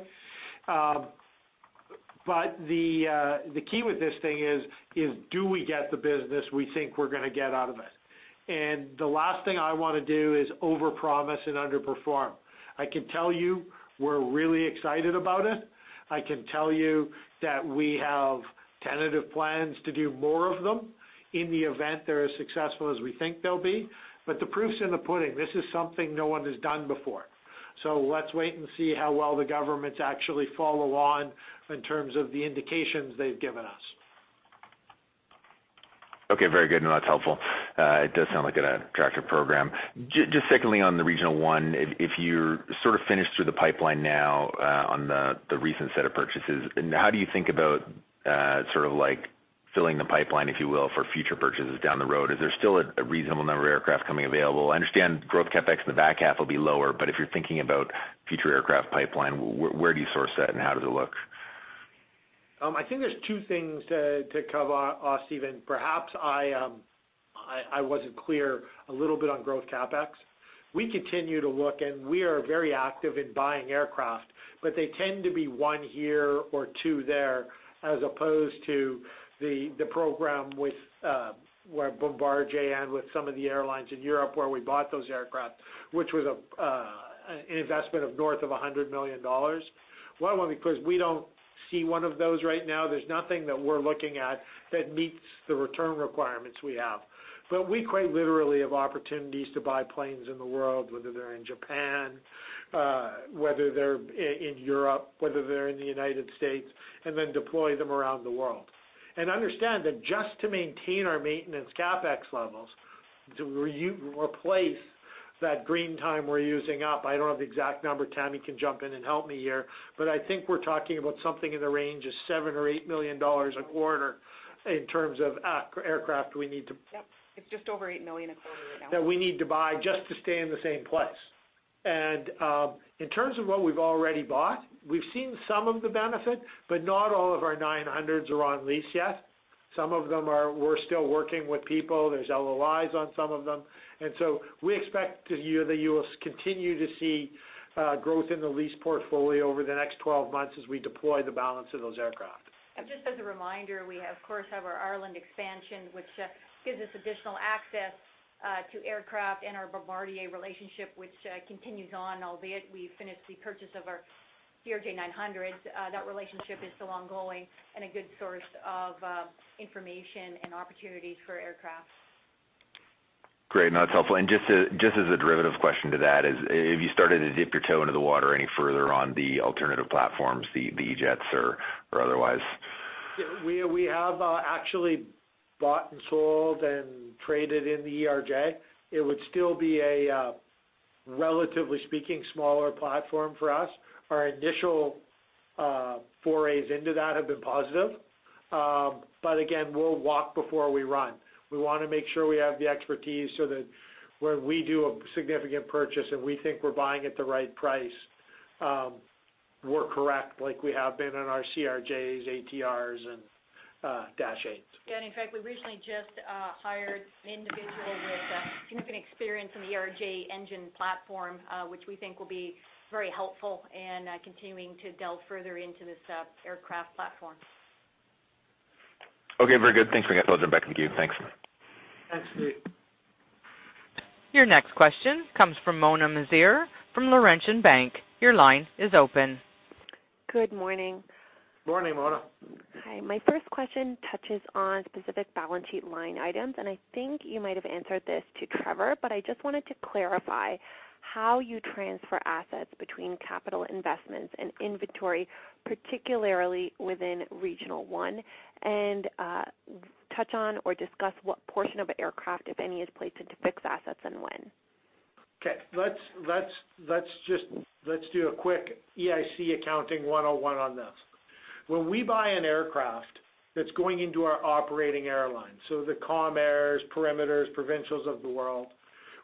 Speaker 2: The key with this thing is, do we get the business we think we're going to get out of it? The last thing I want to do is overpromise and underperform. I can tell you we're really excited about it. I can tell you that we have tentative plans to do more of them in the event they're as successful as we think they'll be. The proof's in the pudding. This is something no one has done before. Let's wait and see how well the governments actually follow on in terms of the indications they've given us.
Speaker 6: Okay. Very good. No, that's helpful. It does sound like an attractive program. Just secondly on the Regional One, if you're sort of finished through the pipeline now on the recent set of purchases, how do you think about filling the pipeline, if you will, for future purchases down the road? Is there still a reasonable number of aircraft coming available? I understand growth CapEx in the back half will be lower, but if you're thinking about future aircraft pipeline, where do you source that and how does it look?
Speaker 2: I think there's two things to cover, Steve. Perhaps I wasn't clear a little bit on growth CapEx. We continue to look and we are very active in buying aircraft, but they tend to be one here or two there, as opposed to the program with where Bombardier and with some of the airlines in Europe where we bought those aircraft, which was an investment of north of $100 million. One, because we don't see one of those right now. There's nothing that we're looking at that meets the return requirements we have. We quite literally have opportunities to buy planes in the world, whether they're in Japan, whether they're in Europe, whether they're in the U.S., and then deploy them around the world. Understand that just to maintain our maintenance CapEx levels, to replace that green time we're using up, I don't have the exact number. Tammy can jump in and help me here, I think we're talking about something in the range of 7 million or 8 million dollars a quarter in terms of aircraft we need to.
Speaker 4: Yep. It's just over 8 million a quarter right now.
Speaker 2: that we need to buy just to stay in the same place. In terms of what we've already bought, we've seen some of the benefit, but not all of our 900s are on lease yet. Some of them we're still working with people. There's LOIs on some of them. We expect that you will continue to see growth in the lease portfolio over the next 12 months as we deploy the balance of those aircraft.
Speaker 7: Just as a reminder, we of course have our Ireland expansion, which gives us additional access to aircraft and our Bombardier relationship which continues on, albeit we finished the purchase of our CRJ-900. That relationship is still ongoing and a good source of information and opportunities for aircraft.
Speaker 6: Great. No, that's helpful. Just as a derivative question to that is, have you started to dip your toe into the water any further on the alternative platforms, the E-Jets or otherwise?
Speaker 2: We have actually bought and sold and traded in the ERJ. It would still be a, relatively speaking, smaller platform for us. Our initial forays into that have been positive. Again, we'll walk before we run. We want to make sure we have the expertise so that when we do a significant purchase and we think we're buying at the right price, we're correct like we have been on our CRJs, ATRs and Dash 8s.
Speaker 7: Yeah. In fact, we recently just hired an individual with significant experience in the ERJ engine platform, which we think will be very helpful in continuing to delve further into this aircraft platform.
Speaker 6: Okay. Very good. Thanks for that. I'll turn it back to you. Thanks.
Speaker 2: Thanks, Steve.
Speaker 1: Your next question comes from Mona Mazor from Laurentian Bank. Your line is open.
Speaker 8: Good morning.
Speaker 2: Morning, Mona.
Speaker 8: Hi. My first question touches on specific balance sheet line items, and I think you might have answered this to Trevor, but I just wanted to clarify how you transfer assets between capital investments and inventory, particularly within Regional One. Touch on or discuss what portion of aircraft, if any, is placed into fixed assets and when.
Speaker 2: Okay. Let's do a quick EIC Accounting 101 on this. When we buy an aircraft that's going into our operating airline, so the Calm Airs, Perimeters, Provincials of the world,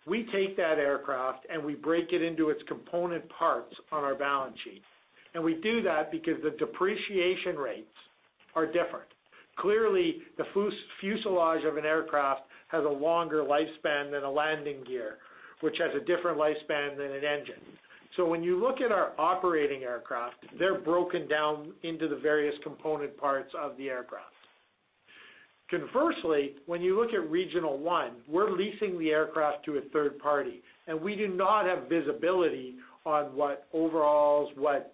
Speaker 2: we take that aircraft and we break it into its component parts on our balance sheet. We do that because the depreciation rates are different. Clearly, the fuselage of an aircraft has a longer lifespan than a landing gear, which has a different lifespan than an engine. When you look at our operating aircraft, they're broken down into the various component parts of the aircraft. Conversely, when you look at Regional One, we're leasing the aircraft to a third party, and we do not have visibility on what overhauls, what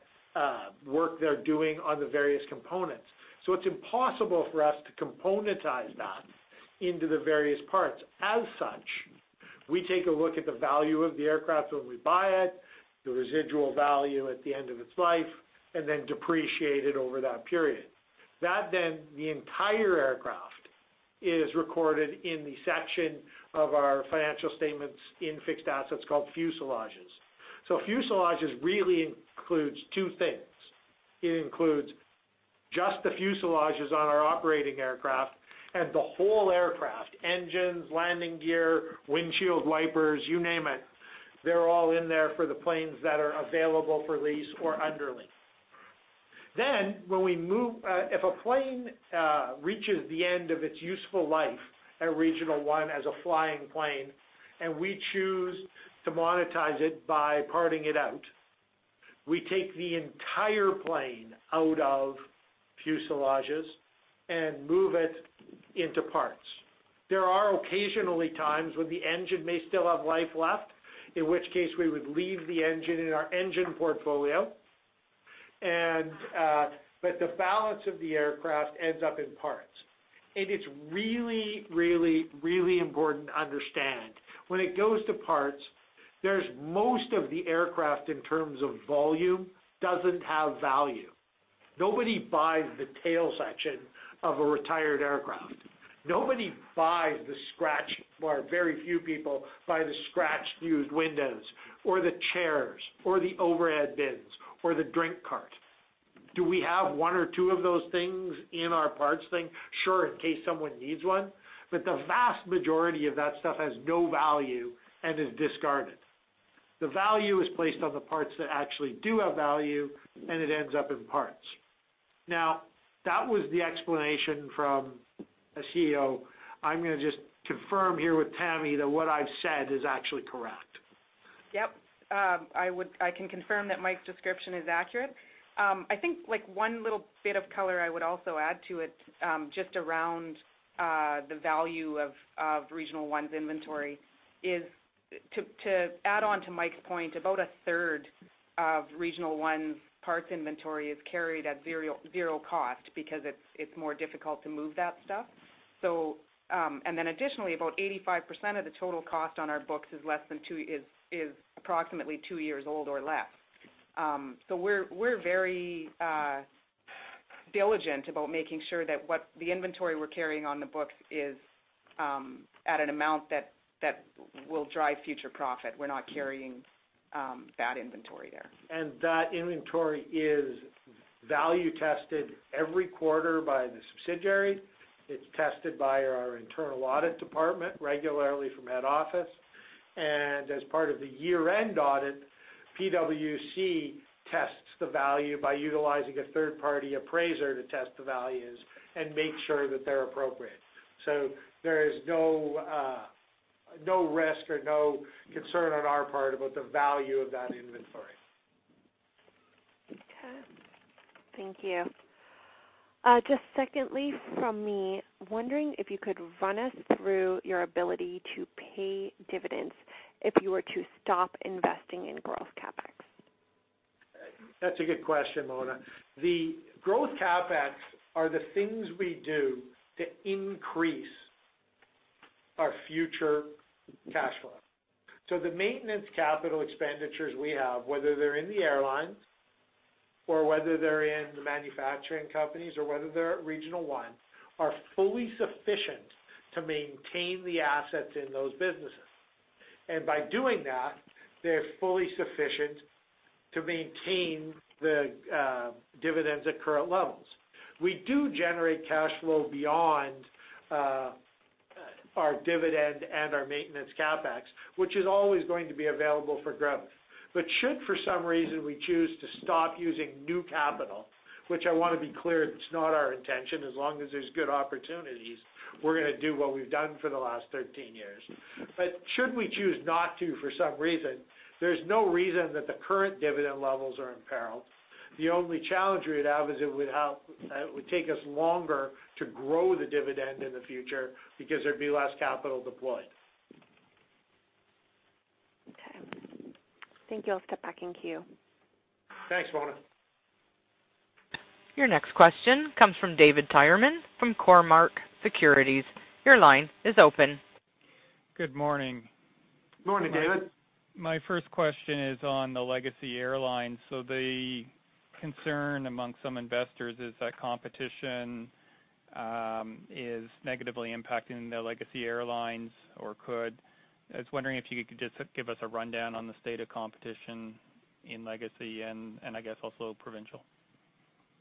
Speaker 2: work they're doing on the various components. It's impossible for us to componentize that into the various parts. As such, we take a look at the value of the aircraft when we buy it, the residual value at the end of its life, and then depreciate it over that period. That, the entire aircraft is recorded in the section of our financial statements in fixed assets called fuselages. Fuselages really includes two things. It includes just the fuselages on our operating aircraft and the whole aircraft, engines, landing gear, windshield wipers, you name it, they're all in there for the planes that are available for lease or under lease. If a plane reaches the end of its useful life at Regional One as a flying plane and we choose to monetize it by parting it out, we take the entire plane out of fuselages and move it into parts. There are occasionally times when the engine may still have life left, in which case we would leave the engine in our engine portfolio. The balance of the aircraft ends up in parts. It's really, really, really important to understand, when it goes to parts, there's most of the aircraft in terms of volume doesn't have value. Nobody buys the tail section of a retired aircraft. Nobody buys the scratch, or very few people buy the scratched used windows, or the chairs, or the overhead bins, or the drink cart. Do we have one or two of those things in our parts thing? Sure, in case someone needs one. The vast majority of that stuff has no value and is discarded. The value is placed on the parts that actually do have value, and it ends up in parts. That was the explanation from a CEO. I'm going to just confirm here with Tammy that what I've said is actually correct.
Speaker 4: Yep. I can confirm that Mike's description is accurate. I think one little bit of color I would also add to it, just around the value of Regional One's inventory is to add on to Mike's point about a third of Regional One's parts inventory is carried at zero cost because it's more difficult to move that stuff. Additionally, about 85% of the total cost on our books is approximately two years old or less. We're very diligent about making sure that the inventory we're carrying on the books is at an amount that will drive future profit. We're not carrying bad inventory there.
Speaker 2: That inventory is value tested every quarter by the subsidiary. It's tested by our internal audit department regularly from head office. As part of the year-end audit, PwC tests the value by utilizing a third-party appraiser to test the values and make sure that they're appropriate. There is no risk or no concern on our part about the value of that inventory.
Speaker 8: Okay. Thank you. Just secondly from me, wondering if you could run us through your ability to pay dividends if you were to stop investing in growth CapEx.
Speaker 2: That's a good question, Mona. The growth CapEx are the things we do to increase our future cash flow. The maintenance capital expenditures we have, whether they're in the airlines or whether they're in the manufacturing companies or whether they're at Regional One, are fully sufficient to maintain the assets in those businesses. By doing that, they're fully sufficient to maintain the dividends at current levels. We do generate cash flow beyond our dividend and our maintenance CapEx, which is always going to be available for growth. Should, for some reason, we choose to stop using new capital, which I want to be clear, it's not our intention. As long as there's good opportunities, we're going to do what we've done for the last 13 years. Should we choose not to for some reason, there's no reason that the current dividend levels are imperiled. The only challenge we'd have is it would take us longer to grow the dividend in the future because there'd be less capital deployed.
Speaker 8: Okay. Thank you. I'll step back in queue.
Speaker 2: Thanks, Mona.
Speaker 1: Your next question comes from David Tyerman from Cormark Securities. Your line is open.
Speaker 9: Good morning.
Speaker 2: Good morning, David.
Speaker 9: My first question is on the Legacy Airlines. The concern among some investors is that competition is negatively impacting the Legacy Airlines or could. I was wondering if you could just give us a rundown on the state of competition in Legacy and I guess also Provincial.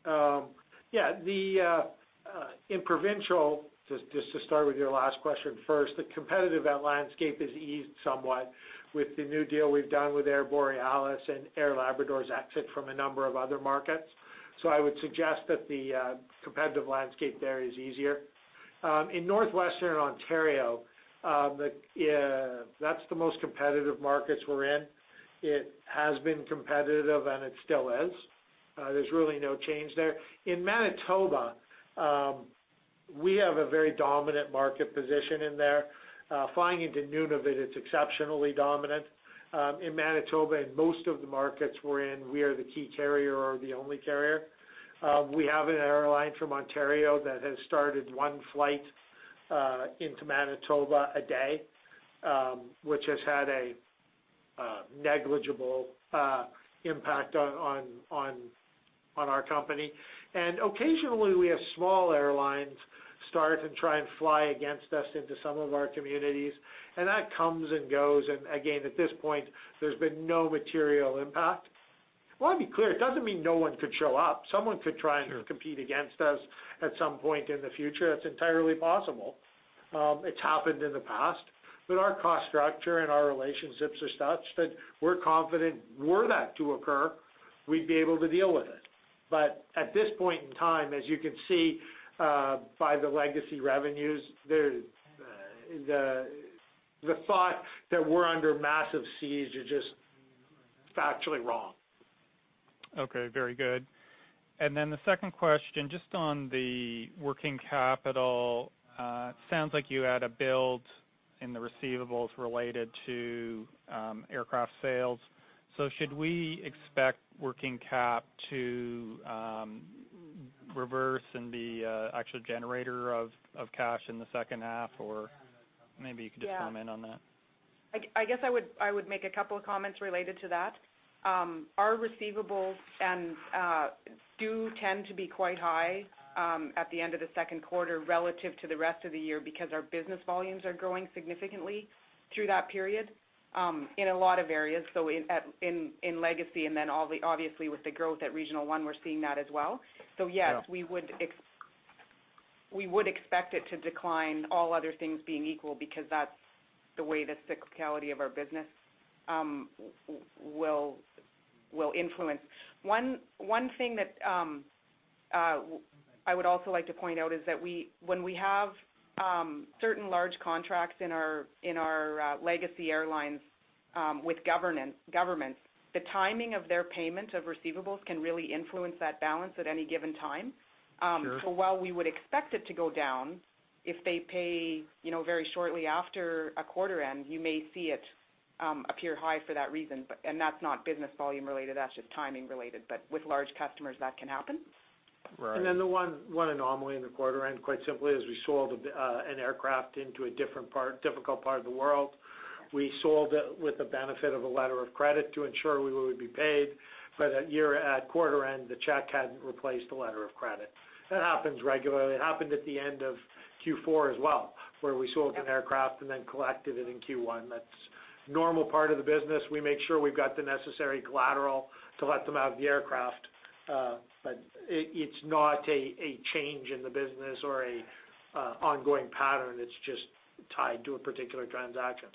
Speaker 2: Yeah. In Provincial, just to start with your last question first, the competitive landscape has eased somewhat with the new deal we've done with Air Borealis and Air Labrador's exit from a number of other markets. I would suggest that the competitive landscape there is easier. In Northwestern Ontario, that's the most competitive markets we're in. It has been competitive and it still is. There's really no change there. In Manitoba, we have a very dominant market position in there. Flying into Nunavut, it's exceptionally dominant. In Manitoba, in most of the markets we're in, we are the key carrier or the only carrier. We have an airline from Ontario that has started one flight into Manitoba a day which has had a negligible impact on our company. Occasionally we have [small airline] and try and fly against us into some of our communities. That comes and goes, and again, at this point, there's been no material impact. I want to be clear, it doesn't mean no one could show up. Someone could try.
Speaker 9: Sure
Speaker 2: compete against us at some point in the future. That's entirely possible. It's happened in the past, but our cost structure and our relationships are such that we're confident, were that to occur, we'd be able to deal with it. At this point in time, as you can see by the Legacy revenues, the thought that we're under massive siege is just factually wrong.
Speaker 9: Okay, very good. Then the second question, just on the working capital. It sounds like you had a build in the receivables related to aircraft sales. Should we expect working cap to reverse and be an actual generator of cash in the second half? Or maybe you could just
Speaker 4: Yeah
Speaker 9: comment on that.
Speaker 4: I guess I would make a couple of comments related to that. Our receivables do tend to be quite high at the end of the second quarter relative to the rest of the year because our business volumes are growing significantly through that period in a lot of areas. In Legacy and then obviously with the growth at Regional One, we're seeing that as well. Yes.
Speaker 9: Yeah
Speaker 4: We would expect it to decline, all other things being equal, because that's the way the cyclicality of our business will influence. One thing that I would also like to point out is that when we have certain large contracts in our Legacy Airlines with governments, the timing of their payment of receivables can really influence that balance at any given time.
Speaker 9: Sure.
Speaker 4: While we would expect it to go down, if they pay very shortly after a quarter end, you may see it appear high for that reason. That's not business volume related, that's just timing related. With large customers, that can happen.
Speaker 9: Right.
Speaker 2: Then the one anomaly in the quarter, and quite simply, is we sold an aircraft in a difficult part of the world. We sold it with the benefit of a letter of credit to ensure we would be paid. At quarter end, the check hadn't replaced the letter of credit. That happens regularly. It happened at the end of Q4 as well, where we sold an aircraft and then collected it in Q1. That's a normal part of the business. We make sure we've got the necessary collateral to let them have the aircraft. It's not a change in the business or an ongoing pattern. It's just tied to a particular transaction.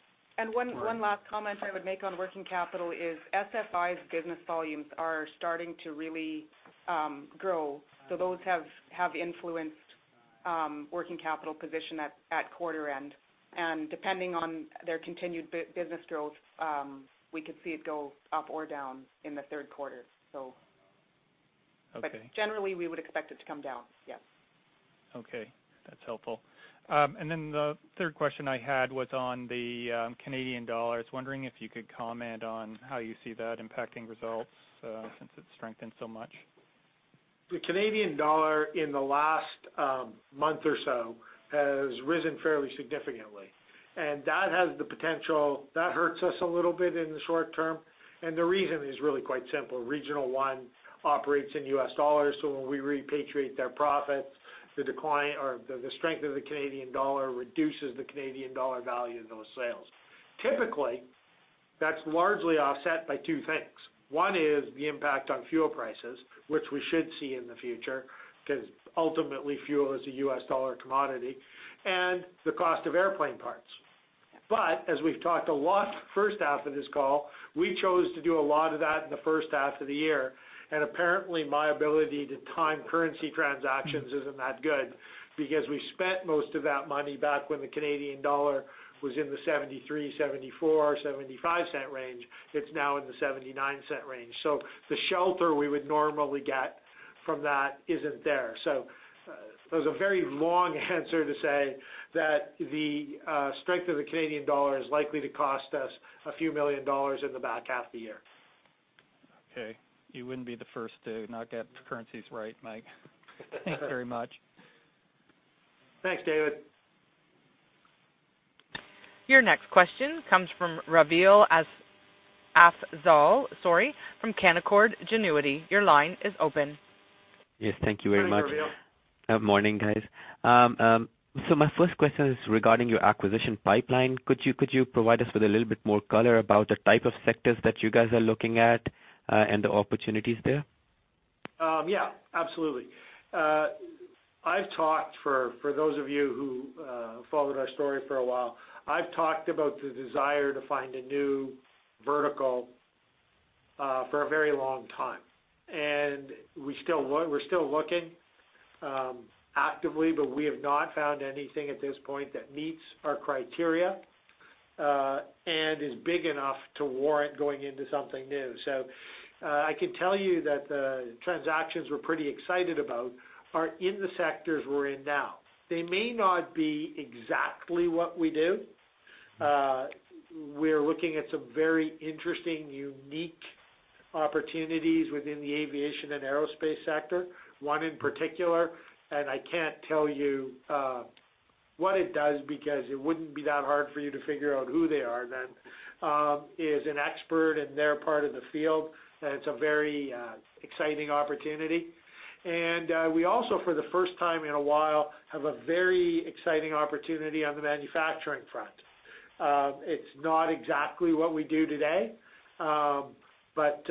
Speaker 4: One last comment I would make on working capital is SFI's business volumes are starting to really grow. Those have influenced working capital position at quarter end. Depending on their continued business growth, we could see it go up or down in the third quarter.
Speaker 9: Okay
Speaker 4: Generally, we would expect it to come down. Yes.
Speaker 9: Okay. That's helpful. Then the third question I had was on the Canadian dollar. I was wondering if you could comment on how you see that impacting results since it's strengthened so much.
Speaker 2: The Canadian dollar in the last month or so has risen fairly significantly, that hurts us a little bit in the short term, and the reason is really quite simple. Regional One operates in U.S. dollars, so when we repatriate their profits, the strength of the Canadian dollar reduces the Canadian dollar value of those sales. Typically, that's largely offset by two things. One is the impact on fuel prices, which we should see in the future, because ultimately, fuel is a U.S. dollar commodity, and the cost of airplane parts. As we've talked a lot first half of this call, we chose to do a lot of that in the first half of the year. Apparently, my ability to time currency transactions isn't that good, because we spent most of that money back when the Canadian dollar was in the $0.73, $0.74, $0.75 range. It's now in the $0.79 range. The shelter we would normally get from that isn't there. That was a very long answer to say that the strength of the Canadian dollar is likely to cost us a few million CAD in the back half of the year.
Speaker 9: Okay. You wouldn't be the first to not get currencies right, Mike. Thanks very much.
Speaker 2: Thanks, David.
Speaker 1: Your next question comes from Ravil Afzal from Canaccord Genuity. Your line is open.
Speaker 10: Yes, thank you very much.
Speaker 2: Thanks, Ravil.
Speaker 10: Good morning, guys. My first question is regarding your acquisition pipeline. Could you provide us with a little bit more color about the type of sectors that you guys are looking at and the opportunities there?
Speaker 2: Yeah, absolutely. For those of you who followed our story for a while, I've talked about the desire to find a new vertical for a very long time, and we're still looking actively, but we have not found anything at this point that meets our criteria and is big enough to warrant going into something new. I can tell you that the transactions we're pretty excited about are in the sectors we're in now. They may not be exactly what we do. We're looking at some very interesting, unique opportunities within the aviation and aerospace sector, one in particular, and I can't tell you what it does, because it wouldn't be that hard for you to figure out who they are then, is an expert in their part of the field, and it's a very exciting opportunity. We also, for the first time in a while, have a very exciting opportunity on the manufacturing front. It's not exactly what we do today, but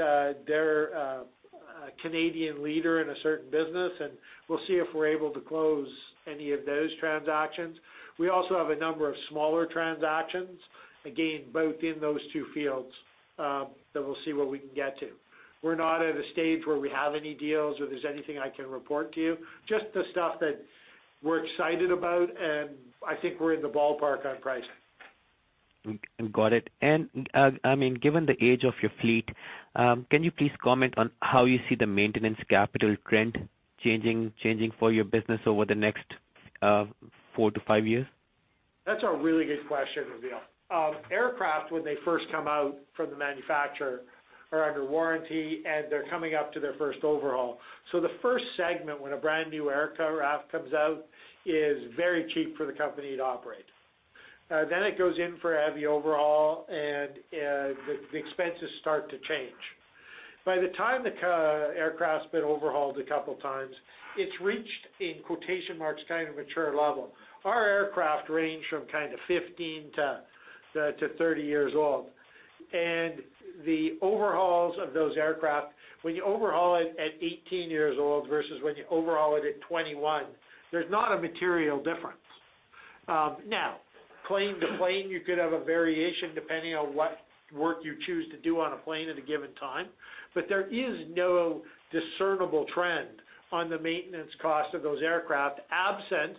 Speaker 2: they're a Canadian leader in a certain business, and we'll see if we're able to close any of those transactions. We also have a number of smaller transactions, again, both in those two fields, that we'll see what we can get to. We're not at a stage where we have any deals or there's anything I can report to you, just the stuff that we're excited about, and I think we're in the ballpark on pricing.
Speaker 10: Got it. Given the age of your fleet, can you please comment on how you see the maintenance capital trend changing for your business over the next 4 to 5 years?
Speaker 2: That's a really good question, Ravil. Aircraft, when they first come out from the manufacturer, are under warranty, and they're coming up to their first overhaul. The first segment when a brand-new aircraft comes out is very cheap for the company to operate. It goes in for a heavy overhaul, and the expenses start to change. By the time the aircraft's been overhauled a couple of times, it's reached, in quotation marks, kind of mature level. Our aircraft range from 15-30 years old. The overhauls of those aircraft, when you overhaul it at 18 years old versus when you overhaul it at 21, there's not a material difference. Now, plane to plane, you could have a variation depending on what work you choose to do on a plane at a given time. There is no discernible trend on the maintenance cost of those aircraft, absent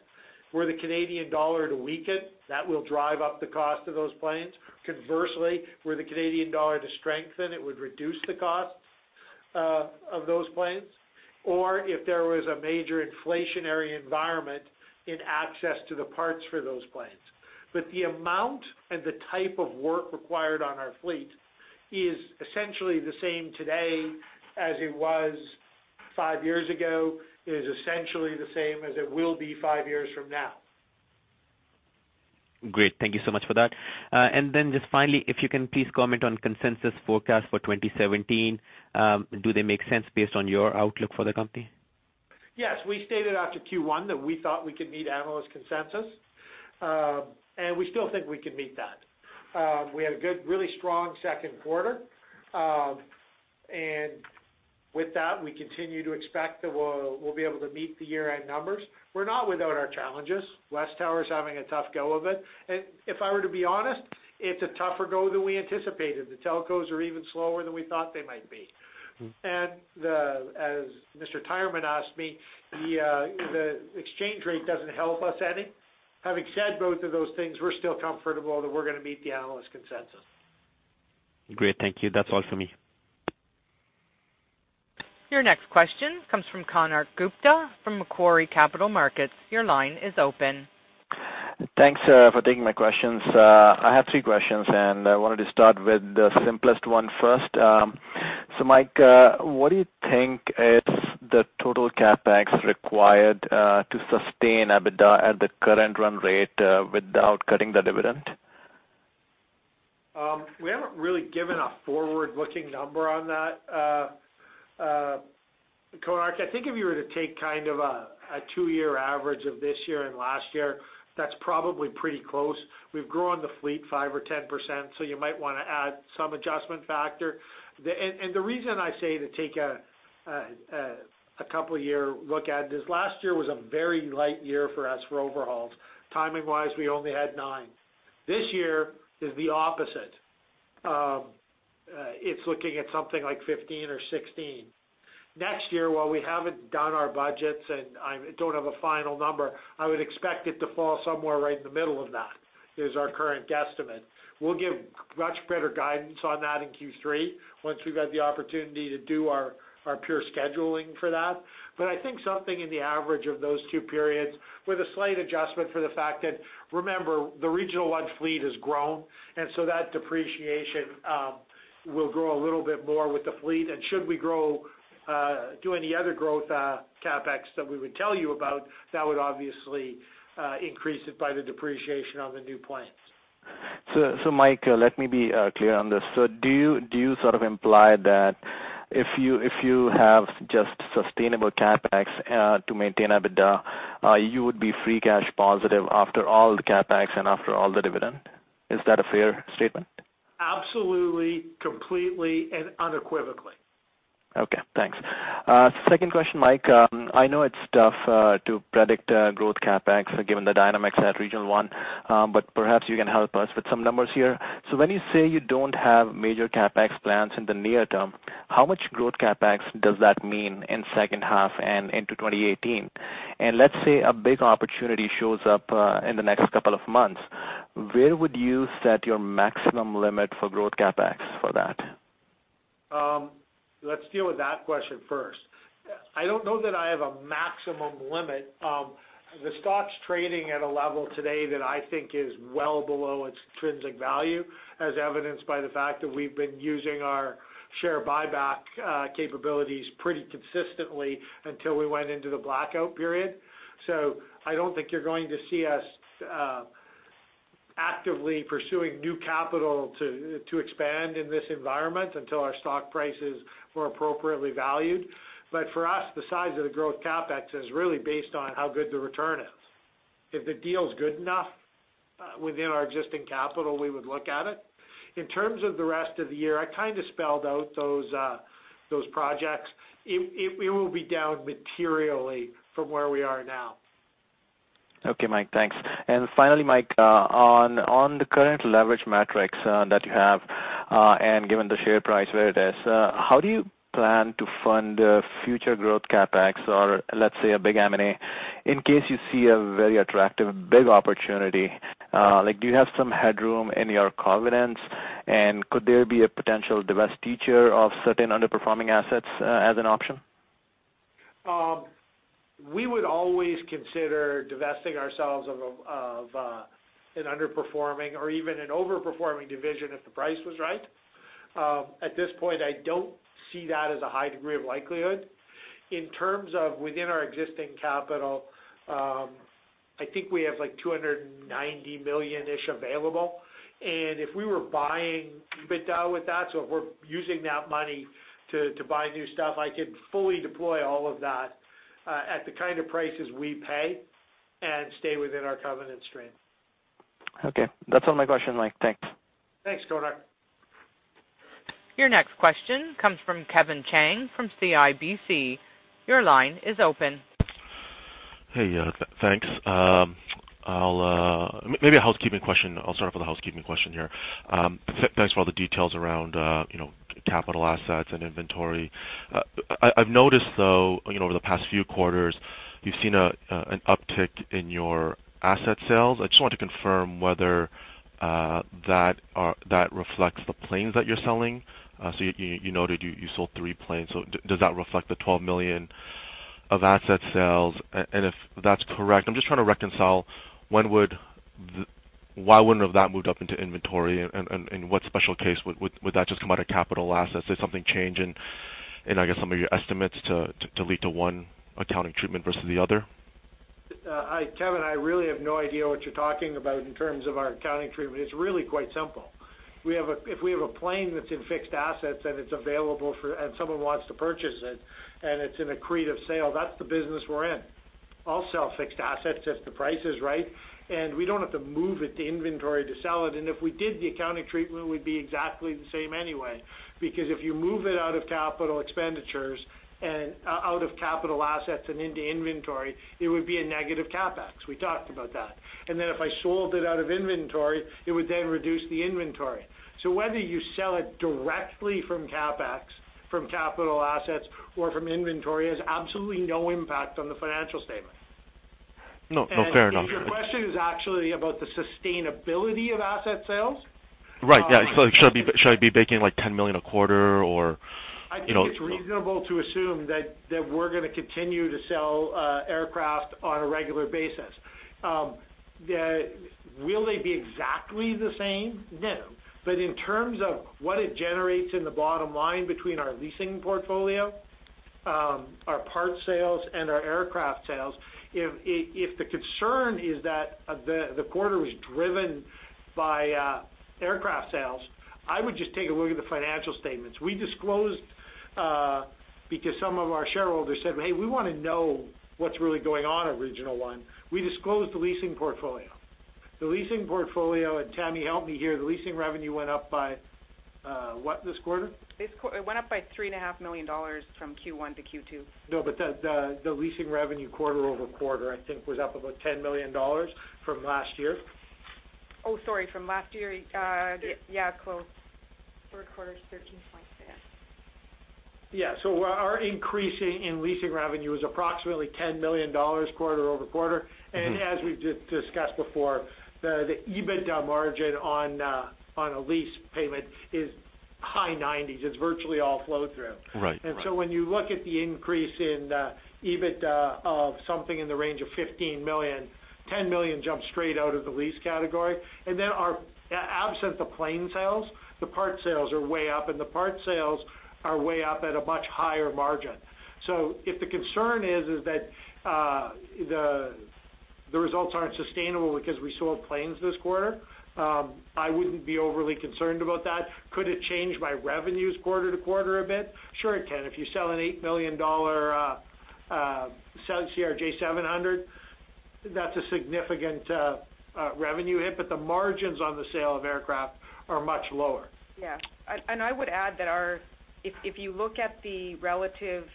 Speaker 2: were the Canadian dollar to weaken, that will drive up the cost of those planes. Conversely, were the Canadian dollar to strengthen, it would reduce the cost of those planes, or if there was a major inflationary environment in access to the parts for those planes. The amount and the type of work required on our fleet is essentially the same today as it was 5 years ago. It is essentially the same as it will be 5 years from now.
Speaker 10: Great. Thank you so much for that. Just finally, if you can please comment on consensus forecast for 2017. Do they make sense based on your outlook for the company?
Speaker 2: Yes. We stated after Q1 that we thought we could meet analyst consensus. We still think we can meet that. We had a good, really strong second quarter. With that, we continue to expect that we'll be able to meet the year-end numbers. We're not without our challenges. WesTower is having a tough go of it. If I were to be honest, it's a tougher go than we anticipated. The telcos are even slower than we thought they might be. As Mr. Tyerman asked me, the exchange rate doesn't help us any. Having said both of those things, we're still comfortable that we're going to meet the analyst consensus.
Speaker 10: Great. Thank you. That's all for me.
Speaker 1: Your next question comes from Konark Gupta from Macquarie Capital Markets. Your line is open.
Speaker 11: Thanks for taking my questions. I have three questions, and I wanted to start with the simplest one first. Mike, what do you think is the total CapEx required to sustain EBITDA at the current run rate without cutting the dividend?
Speaker 2: We haven't really given a forward-looking number on that, Konark. I think if you were to take a two-year average of this year and last year, that's probably pretty close. We've grown the fleet 5% or 10%, so you might want to add some adjustment factor. The reason I say to take a couple year look at it is last year was a very light year for us for overhauls. Timing-wise, we only had nine. This year is the opposite. It's looking at something like 15 or 16. Next year, while we haven't done our budgets and I don't have a final number, I would expect it to fall somewhere right in the middle of that, is our current guesstimate. We'll give much better guidance on that in Q3 once we've had the opportunity to do our pure scheduling for that. I think something in the average of those two periods with a slight adjustment for the fact that, remember, the Regional One fleet has grown, and so that depreciation will grow a little bit more with the fleet. Should we do any other growth CapEx that we would tell you about, that would obviously increase it by the depreciation on the new planes.
Speaker 11: Mike, let me be clear on this. Do you sort of imply that if you have just sustainable CapEx to maintain EBITDA, you would be free cash positive after all the CapEx and after all the dividend? Is that a fair statement?
Speaker 2: Absolutely, completely, and unequivocally.
Speaker 11: Okay, thanks. Second question, Mike. I know it's tough to predict growth CapEx given the dynamics at Regional One, but perhaps you can help us with some numbers here. When you say you don't have major CapEx plans in the near term, how much growth CapEx does that mean in second half and into 2018? And let's say a big opportunity shows up in the next couple of months. Where would you set your maximum limit for growth CapEx for that?
Speaker 2: Let's deal with that question first. I don't know that I have a maximum limit. The stock's trading at a level today that I think is well below its intrinsic value, as evidenced by the fact that we've been using our share buyback capabilities pretty consistently until we went into the blackout period. I don't think you're going to see us actively pursuing new capital to expand in this environment until our stock prices were appropriately valued. For us, the size of the growth CapEx is really based on how good the return is. If the deal is good enough within our existing capital, we would look at it. In terms of the rest of the year, I kind of spelled out those projects. It will be down materially from where we are now.
Speaker 11: Okay, Mike. Thanks. Finally, Mike, on the current leverage metrics that you have, and given the share price where it is, how do you plan to fund future growth CapEx or let's say a big M&A, in case you see a very attractive, big opportunity? Do you have some headroom in your covenants and could there be a potential divestiture of certain underperforming assets as an option?
Speaker 2: We would always consider divesting ourselves of an underperforming or even an over-performing division if the price was right. At this point, I don't see that as a high degree of likelihood. In terms of within our existing capital, I think we have like 290 million-ish available, and if we were buying EBITDA with that, so if we're using that money to buy new stuff, I could fully deploy all of that at the kind of prices we pay and stay within our covenant strength.
Speaker 11: Okay. That's all my questions, Mike. Thanks.
Speaker 2: Thanks, Konark.
Speaker 1: Your next question comes from Kevin Chiang from CIBC. Your line is open.
Speaker 12: Hey, thanks. Maybe a housekeeping question. I'll start off with a housekeeping question here. Thanks for all the details around capital assets and inventory. I've noticed, though, over the past few quarters, you've seen an uptick in your asset sales. I just wanted to confirm whether that reflects the planes that you're selling. You noted you sold three planes. Does that reflect the 12 million of asset sales? If that's correct, I'm just trying to reconcile why wouldn't have that moved up into inventory and what special case would that just come out of capital assets? Did something change in, I guess, some of your estimates to lead to one accounting treatment versus the other?
Speaker 2: Kevin, I really have no idea what you're talking about in terms of our accounting treatment. It's really quite simple. If we have a plane that's in fixed assets and someone wants to purchase it, and it's an accretive sale, that's the business we're in. I'll sell fixed assets if the price is right, and we don't have to move it to inventory to sell it. If we did, the accounting treatment would be exactly the same anyway, because if you move it out of capital expenditures and out of capital assets and into inventory, it would be a negative CapEx. We talked about that. If I sold it out of inventory, it would then reduce the inventory. Whether you sell it directly from CapEx, from capital assets, or from inventory has absolutely no impact on the financial statement.
Speaker 12: No, fair enough.
Speaker 2: If your question is actually about the sustainability of asset sales?
Speaker 12: Right. Yeah. Should I be making like 10 million a quarter or
Speaker 2: I think it's reasonable to assume that we're going to continue to sell aircraft on a regular basis. Will they be exactly the same? No. In terms of what it generates in the bottom line between our leasing portfolio, our parts sales, and our aircraft sales, if the concern is that the quarter was driven by aircraft sales, I would just take a look at the financial statements. We disclosed because some of our shareholders said, "Hey, we want to know what's really going on at Regional One." We disclosed the leasing portfolio. The leasing portfolio, and Tammy help me here, the leasing revenue went up by what this quarter?
Speaker 4: This quarter it went up by 3.5 million dollars from Q1 to Q2.
Speaker 2: The leasing revenue quarter-over-quarter, I think, was up about 10 million dollars from last year.
Speaker 4: Oh, sorry, from last year. Yeah, close. Third quarter is 13 point.
Speaker 2: Yeah. Our increase in leasing revenue is approximately 10 million dollars quarter-over-quarter. As we've discussed before, the EBITDA margin on a lease payment is high 90s. It's virtually all flow through.
Speaker 12: Right.
Speaker 2: When you look at the increase in the EBITDA of something in the range of 15 million, 10 million jumps straight out of the lease category. Absent the plane sales, the parts sales are way up, and the parts sales are way up at a much higher margin. If the concern is that the results aren't sustainable because we sold planes this quarter, I wouldn't be overly concerned about that. Could it change my revenues quarter-to-quarter a bit? Sure it can. If you sell an 8 million dollar CRJ700, that's a significant revenue hit, but the margins on the sale of aircraft are much lower.
Speaker 4: Yeah. I would add that if you look at the relative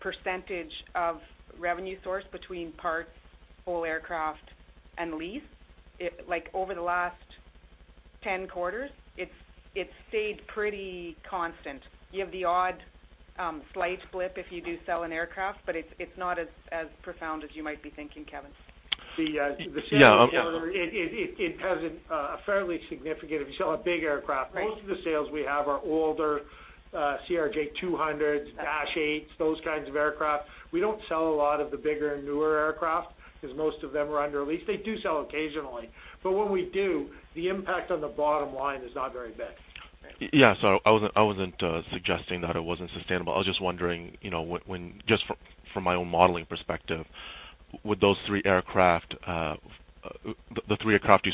Speaker 4: percentage of revenue source between parts, whole aircraft, and lease, over the last 10 quarters, it's stayed pretty constant. You have the odd slight blip if you do sell an aircraft, but it's not as profound as you might be thinking, Kevin.
Speaker 12: Yeah.
Speaker 2: It has a fairly significant if you sell a big aircraft.
Speaker 4: Right.
Speaker 2: Most of the sales we have are older CRJ200s, Dash 8s, those kinds of aircraft. We don't sell a lot of the bigger and newer aircraft because most of them are under lease. They do sell occasionally. When we do, the impact on the bottom line is not very big.
Speaker 12: Yeah. I wasn't suggesting that it wasn't sustainable. I was just wondering, just from my own modeling perspective, would the three aircraft you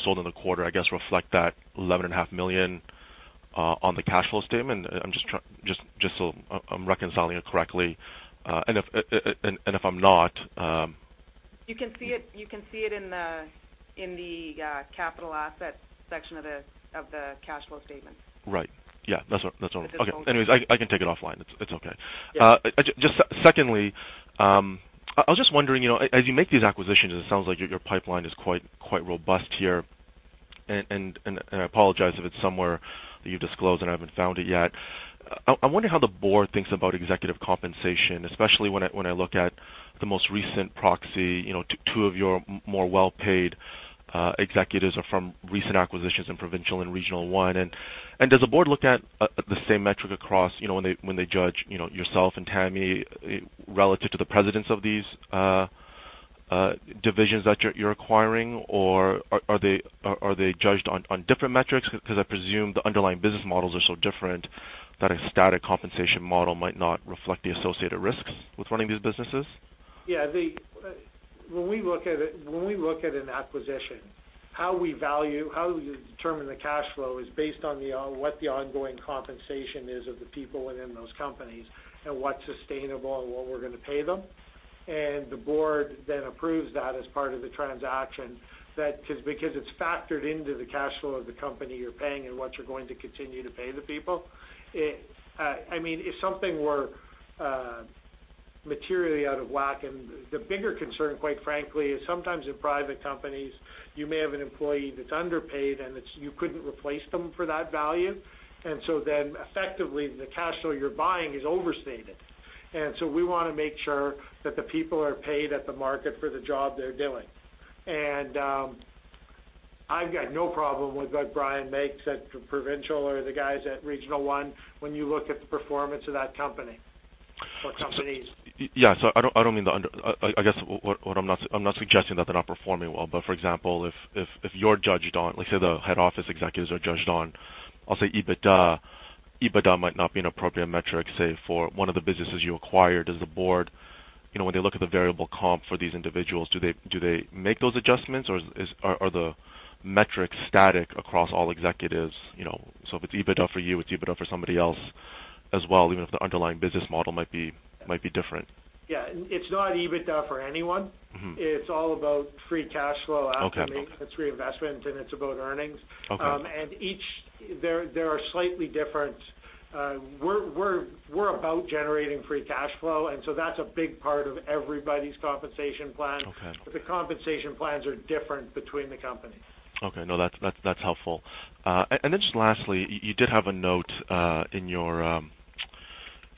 Speaker 12: sold in the quarter, I guess, reflect that 11.5 million on the cash flow statement? I'm reconciling it correctly.
Speaker 2: You can see it in the capital assets section of the cash flow statement.
Speaker 12: Right. Yeah. That's all.
Speaker 2: That's all.
Speaker 12: Okay. Anyways, I can take it offline. It's okay.
Speaker 2: Yeah.
Speaker 12: Just secondly, I was just wondering, as you make these acquisitions, and it sounds like your pipeline is quite robust here, I apologize if it's somewhere that you've disclosed, and I haven't found it yet. I wonder how the board thinks about executive compensation, especially when I look at the most recent proxy, two of your more well-paid executives are from recent acquisitions in Provincial and Regional One. Does the board look at the same metric across when they judge yourself and Tammy relative to the presidents of these divisions that you're acquiring, or are they judged on different metrics? Because I presume the underlying business models are so different that a static compensation model might not reflect the associated risks with running these businesses.
Speaker 2: When we look at an acquisition, how we determine the cash flow is based on what the ongoing compensation is of the people within those companies, what's sustainable and what we're going to pay them. The board then approves that as part of the transaction. That is because it's factored into the cash flow of the company you're paying and what you're going to continue to pay the people. If something were materially out of whack, the bigger concern, quite frankly, is sometimes in private companies, you may have an employee that's underpaid, you couldn't replace them for that value. Effectively, the cash flow you're buying is overstated. We want to make sure that the people are paid at the market for the job they're doing. I've got no problem with what Brian makes at Provincial or the guys at Regional One when you look at the performance of that company or companies.
Speaker 12: I don't mean, I guess what I'm not suggesting that they're not performing well. For example, if you're judged on, let's say the head office executives are judged on, I'll say EBITDA. EBITDA might not be an appropriate metric, say, for one of the businesses you acquired as a board. When they look at the variable comp for these individuals, do they make those adjustments, or are the metrics static across all executives? If it's EBITDA for you, it's EBITDA for somebody else as well, even if the underlying business model might be different.
Speaker 2: Yeah. It's not EBITDA for anyone. It's all about free cash flow after-
Speaker 12: Okay.
Speaker 2: -maintenance reinvestment, and it's about earnings.
Speaker 12: Okay.
Speaker 2: Each, they are slightly different. We're about generating free cash flow, and so that's a big part of everybody's compensation plan.
Speaker 12: Okay.
Speaker 2: The compensation plans are different between the companies.
Speaker 12: Okay. No, that's helpful. Then just lastly, you did have a note in your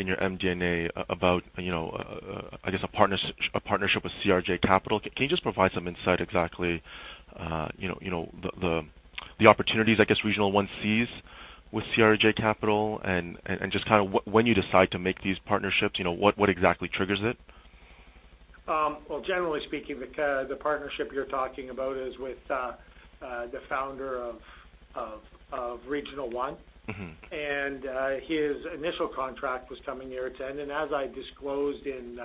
Speaker 12: MD&A about a partnership with CRJ Capital. Can you just provide some insight exactly the opportunities, I guess Regional One sees with CRJ Capital and just when you decide to make these partnerships, what exactly triggers it?
Speaker 2: Well, generally speaking, the partnership you're talking about is with the founder of Regional One. His initial contract was coming near its end. As I disclosed in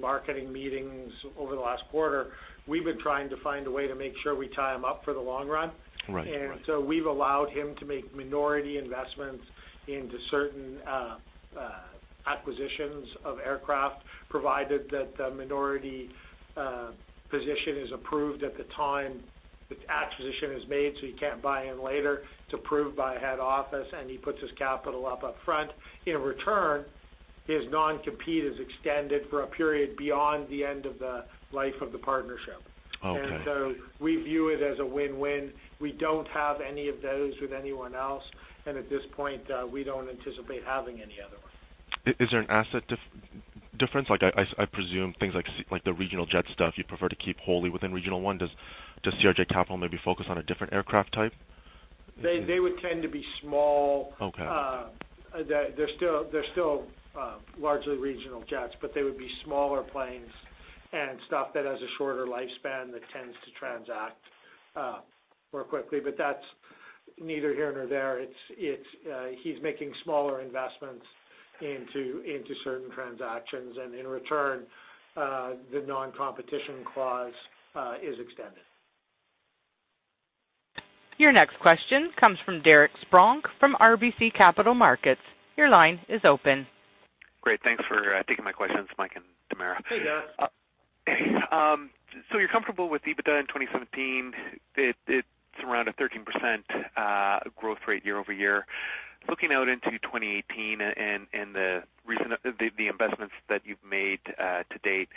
Speaker 2: marketing meetings over the last quarter, we've been trying to find a way to make sure we tie him up for the long run.
Speaker 12: Right.
Speaker 2: We've allowed him to make minority investments into certain acquisitions of aircraft, provided that the minority position is approved at the time the acquisition is made, so he can't buy in later. It's approved by head office, and he puts his capital up upfront. In return, his non-compete is extended for a period beyond the end of the life of the partnership.
Speaker 12: Okay.
Speaker 2: We view it as a win-win. We don't have any of those with anyone else, and at this point, we don't anticipate having any other one.
Speaker 12: Is there an asset difference? I presume things like the regional jet stuff you prefer to keep wholly within Regional One. Does CRJ Capital maybe focus on a different aircraft type?
Speaker 2: They would tend to be small.
Speaker 12: Okay.
Speaker 2: They're still largely regional jets, but they would be smaller planes and stuff that has a shorter lifespan that tends to transact more quickly. That's neither here nor there. He's making smaller investments into certain transactions, and in return, the non-competition clause is extended.
Speaker 1: Your next question comes from Derek Spronck from RBC Capital Markets. Your line is open.
Speaker 13: Great. Thanks for taking my questions, Mike and Tamara.
Speaker 2: Hey, Derek.
Speaker 13: You're comfortable with EBITDA in 2017. It's around a 13% growth rate year-over-year. Looking out into 2018 and the investments that you've made to date,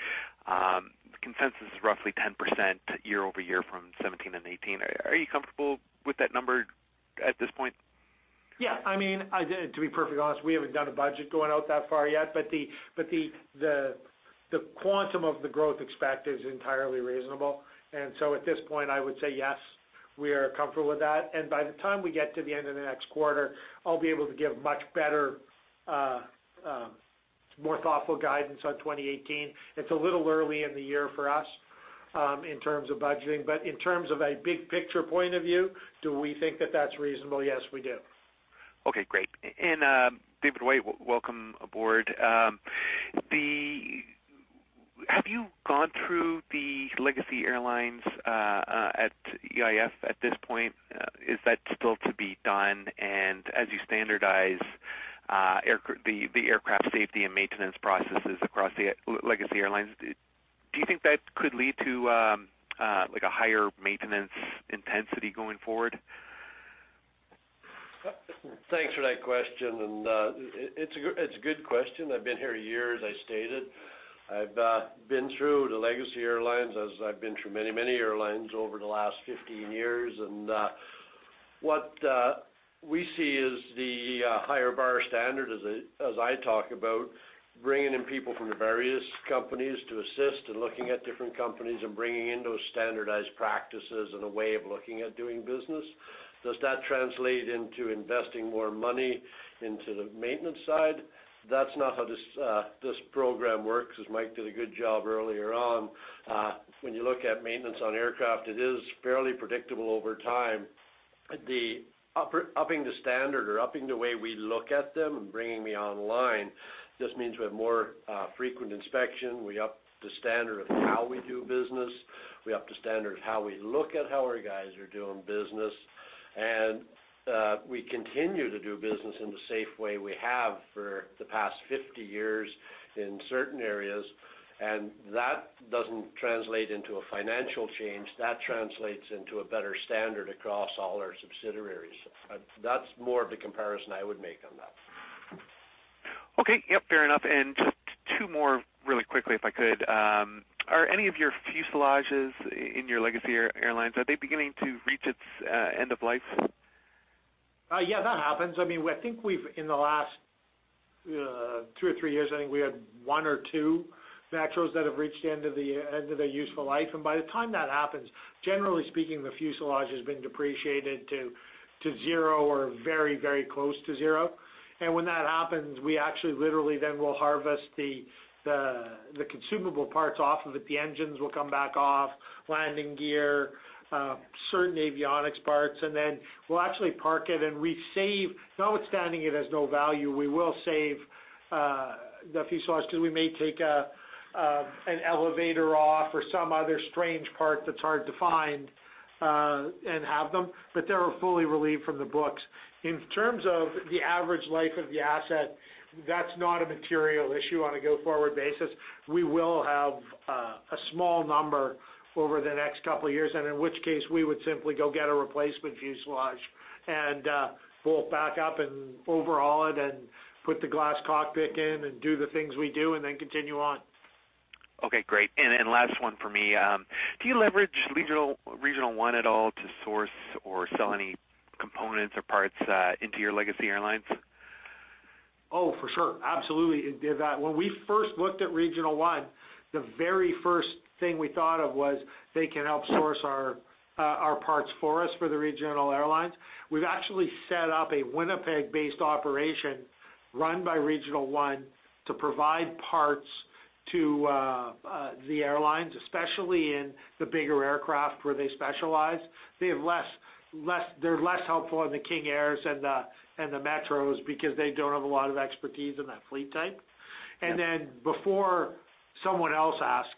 Speaker 13: consensus is roughly 10% year-over-year from 2017 and 2018. Are you comfortable with that number at this point?
Speaker 2: Yeah. To be perfectly honest, we haven't done a budget going out that far yet. The quantum of the growth expected is entirely reasonable. At this point, I would say, yes, we are comfortable with that. By the time we get to the end of the next quarter, I'll be able to give much better, more thoughtful guidance on 2018. It's a little early in the year for us in terms of budgeting, but in terms of a big picture point of view, do we think that that's reasonable? Yes, we do.
Speaker 13: Okay, great. David White, welcome aboard. Have you gone through the Legacy Airlines at EIC at this point? Is that still to be done? As you standardize the aircraft safety and maintenance processes across the Legacy Airlines, do you think that could lead to a higher maintenance intensity going forward?
Speaker 3: Thanks for that question, it's a good question. I've been here a year, as I stated. I've been through the Legacy Airlines, as I've been through many airlines over the last 15 years. What we see is the higher bar standard as I talk about bringing in people from the various companies to assist in looking at different companies and bringing in those standardized practices and a way of looking at doing business. Does that translate into investing more money into the maintenance side? That's not how this program works, as Mike did a good job earlier on. When you look at maintenance on aircraft, it is fairly predictable over time. The upping the standard or upping the way we look at them and bringing me online just means we have more frequent inspection. We up the standard of how we do business. We up the standard of how we look at how our guys are doing business. We continue to do business in the safe way we have for the past 50 years in certain areas, that doesn't translate into a financial change. That translates into a better standard across all our subsidiaries. That's more of the comparison I would make on that.
Speaker 13: Okay. Yep, fair enough. Just two more really quickly, if I could. Are any of your fuselages in your Legacy Airlines, are they beginning to reach its end of life?
Speaker 2: Yeah, that happens. I think in the last two or three years, I think we had one or two Metros that have reached the end of their useful life. By the time that happens, generally speaking, the fuselage has been depreciated to zero or very close to zero. When that happens, we actually literally then will harvest the consumable parts off of it. The engines will come back off, landing gear, certain avionics parts, and then we'll actually park it and we save, notwithstanding it has no value, we will save the fuselage because we may take an elevator off or some other strange part that's hard to find and have them, but they're fully relieved from the books. In terms of the average life of the asset, that's not a material issue on a go-forward basis. We will have a small number over the next couple of years, and in which case, we would simply go get a replacement fuselage and pull it back up and overhaul it and put the glass cockpit in and do the things we do and then continue on.
Speaker 13: Okay, great. Last one for me. Do you leverage Regional One at all to source or sell any components or parts into your Legacy Airlines?
Speaker 2: Oh, for sure. Absolutely. When we first looked at Regional One, the very first thing we thought of was they can help source our parts for us for the Regional Airlines. We've actually set up a Winnipeg-based operation run by Regional One to provide parts to the airlines, especially in the bigger aircraft where they specialize. They're less helpful in the King Air and the Metros because they don't have a lot of expertise in that fleet type.
Speaker 13: Yeah.
Speaker 2: Before someone else asks,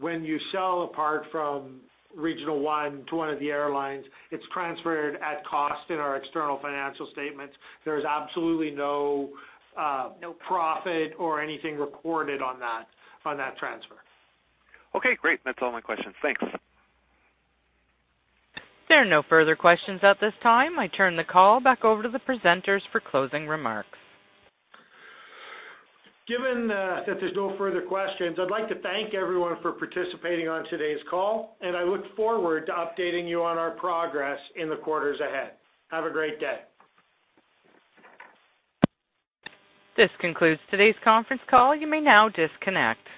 Speaker 2: when you sell a part from Regional One to one of the airlines, it's transferred at cost in our external financial statements. There's absolutely no profit or anything recorded on that transfer.
Speaker 13: Okay, great. That's all my questions. Thanks.
Speaker 1: There are no further questions at this time. I turn the call back over to the presenters for closing remarks.
Speaker 2: Given that there's no further questions, I'd like to thank everyone for participating on today's call, and I look forward to updating you on our progress in the quarters ahead. Have a great day.
Speaker 1: This concludes today's conference call. You may now disconnect.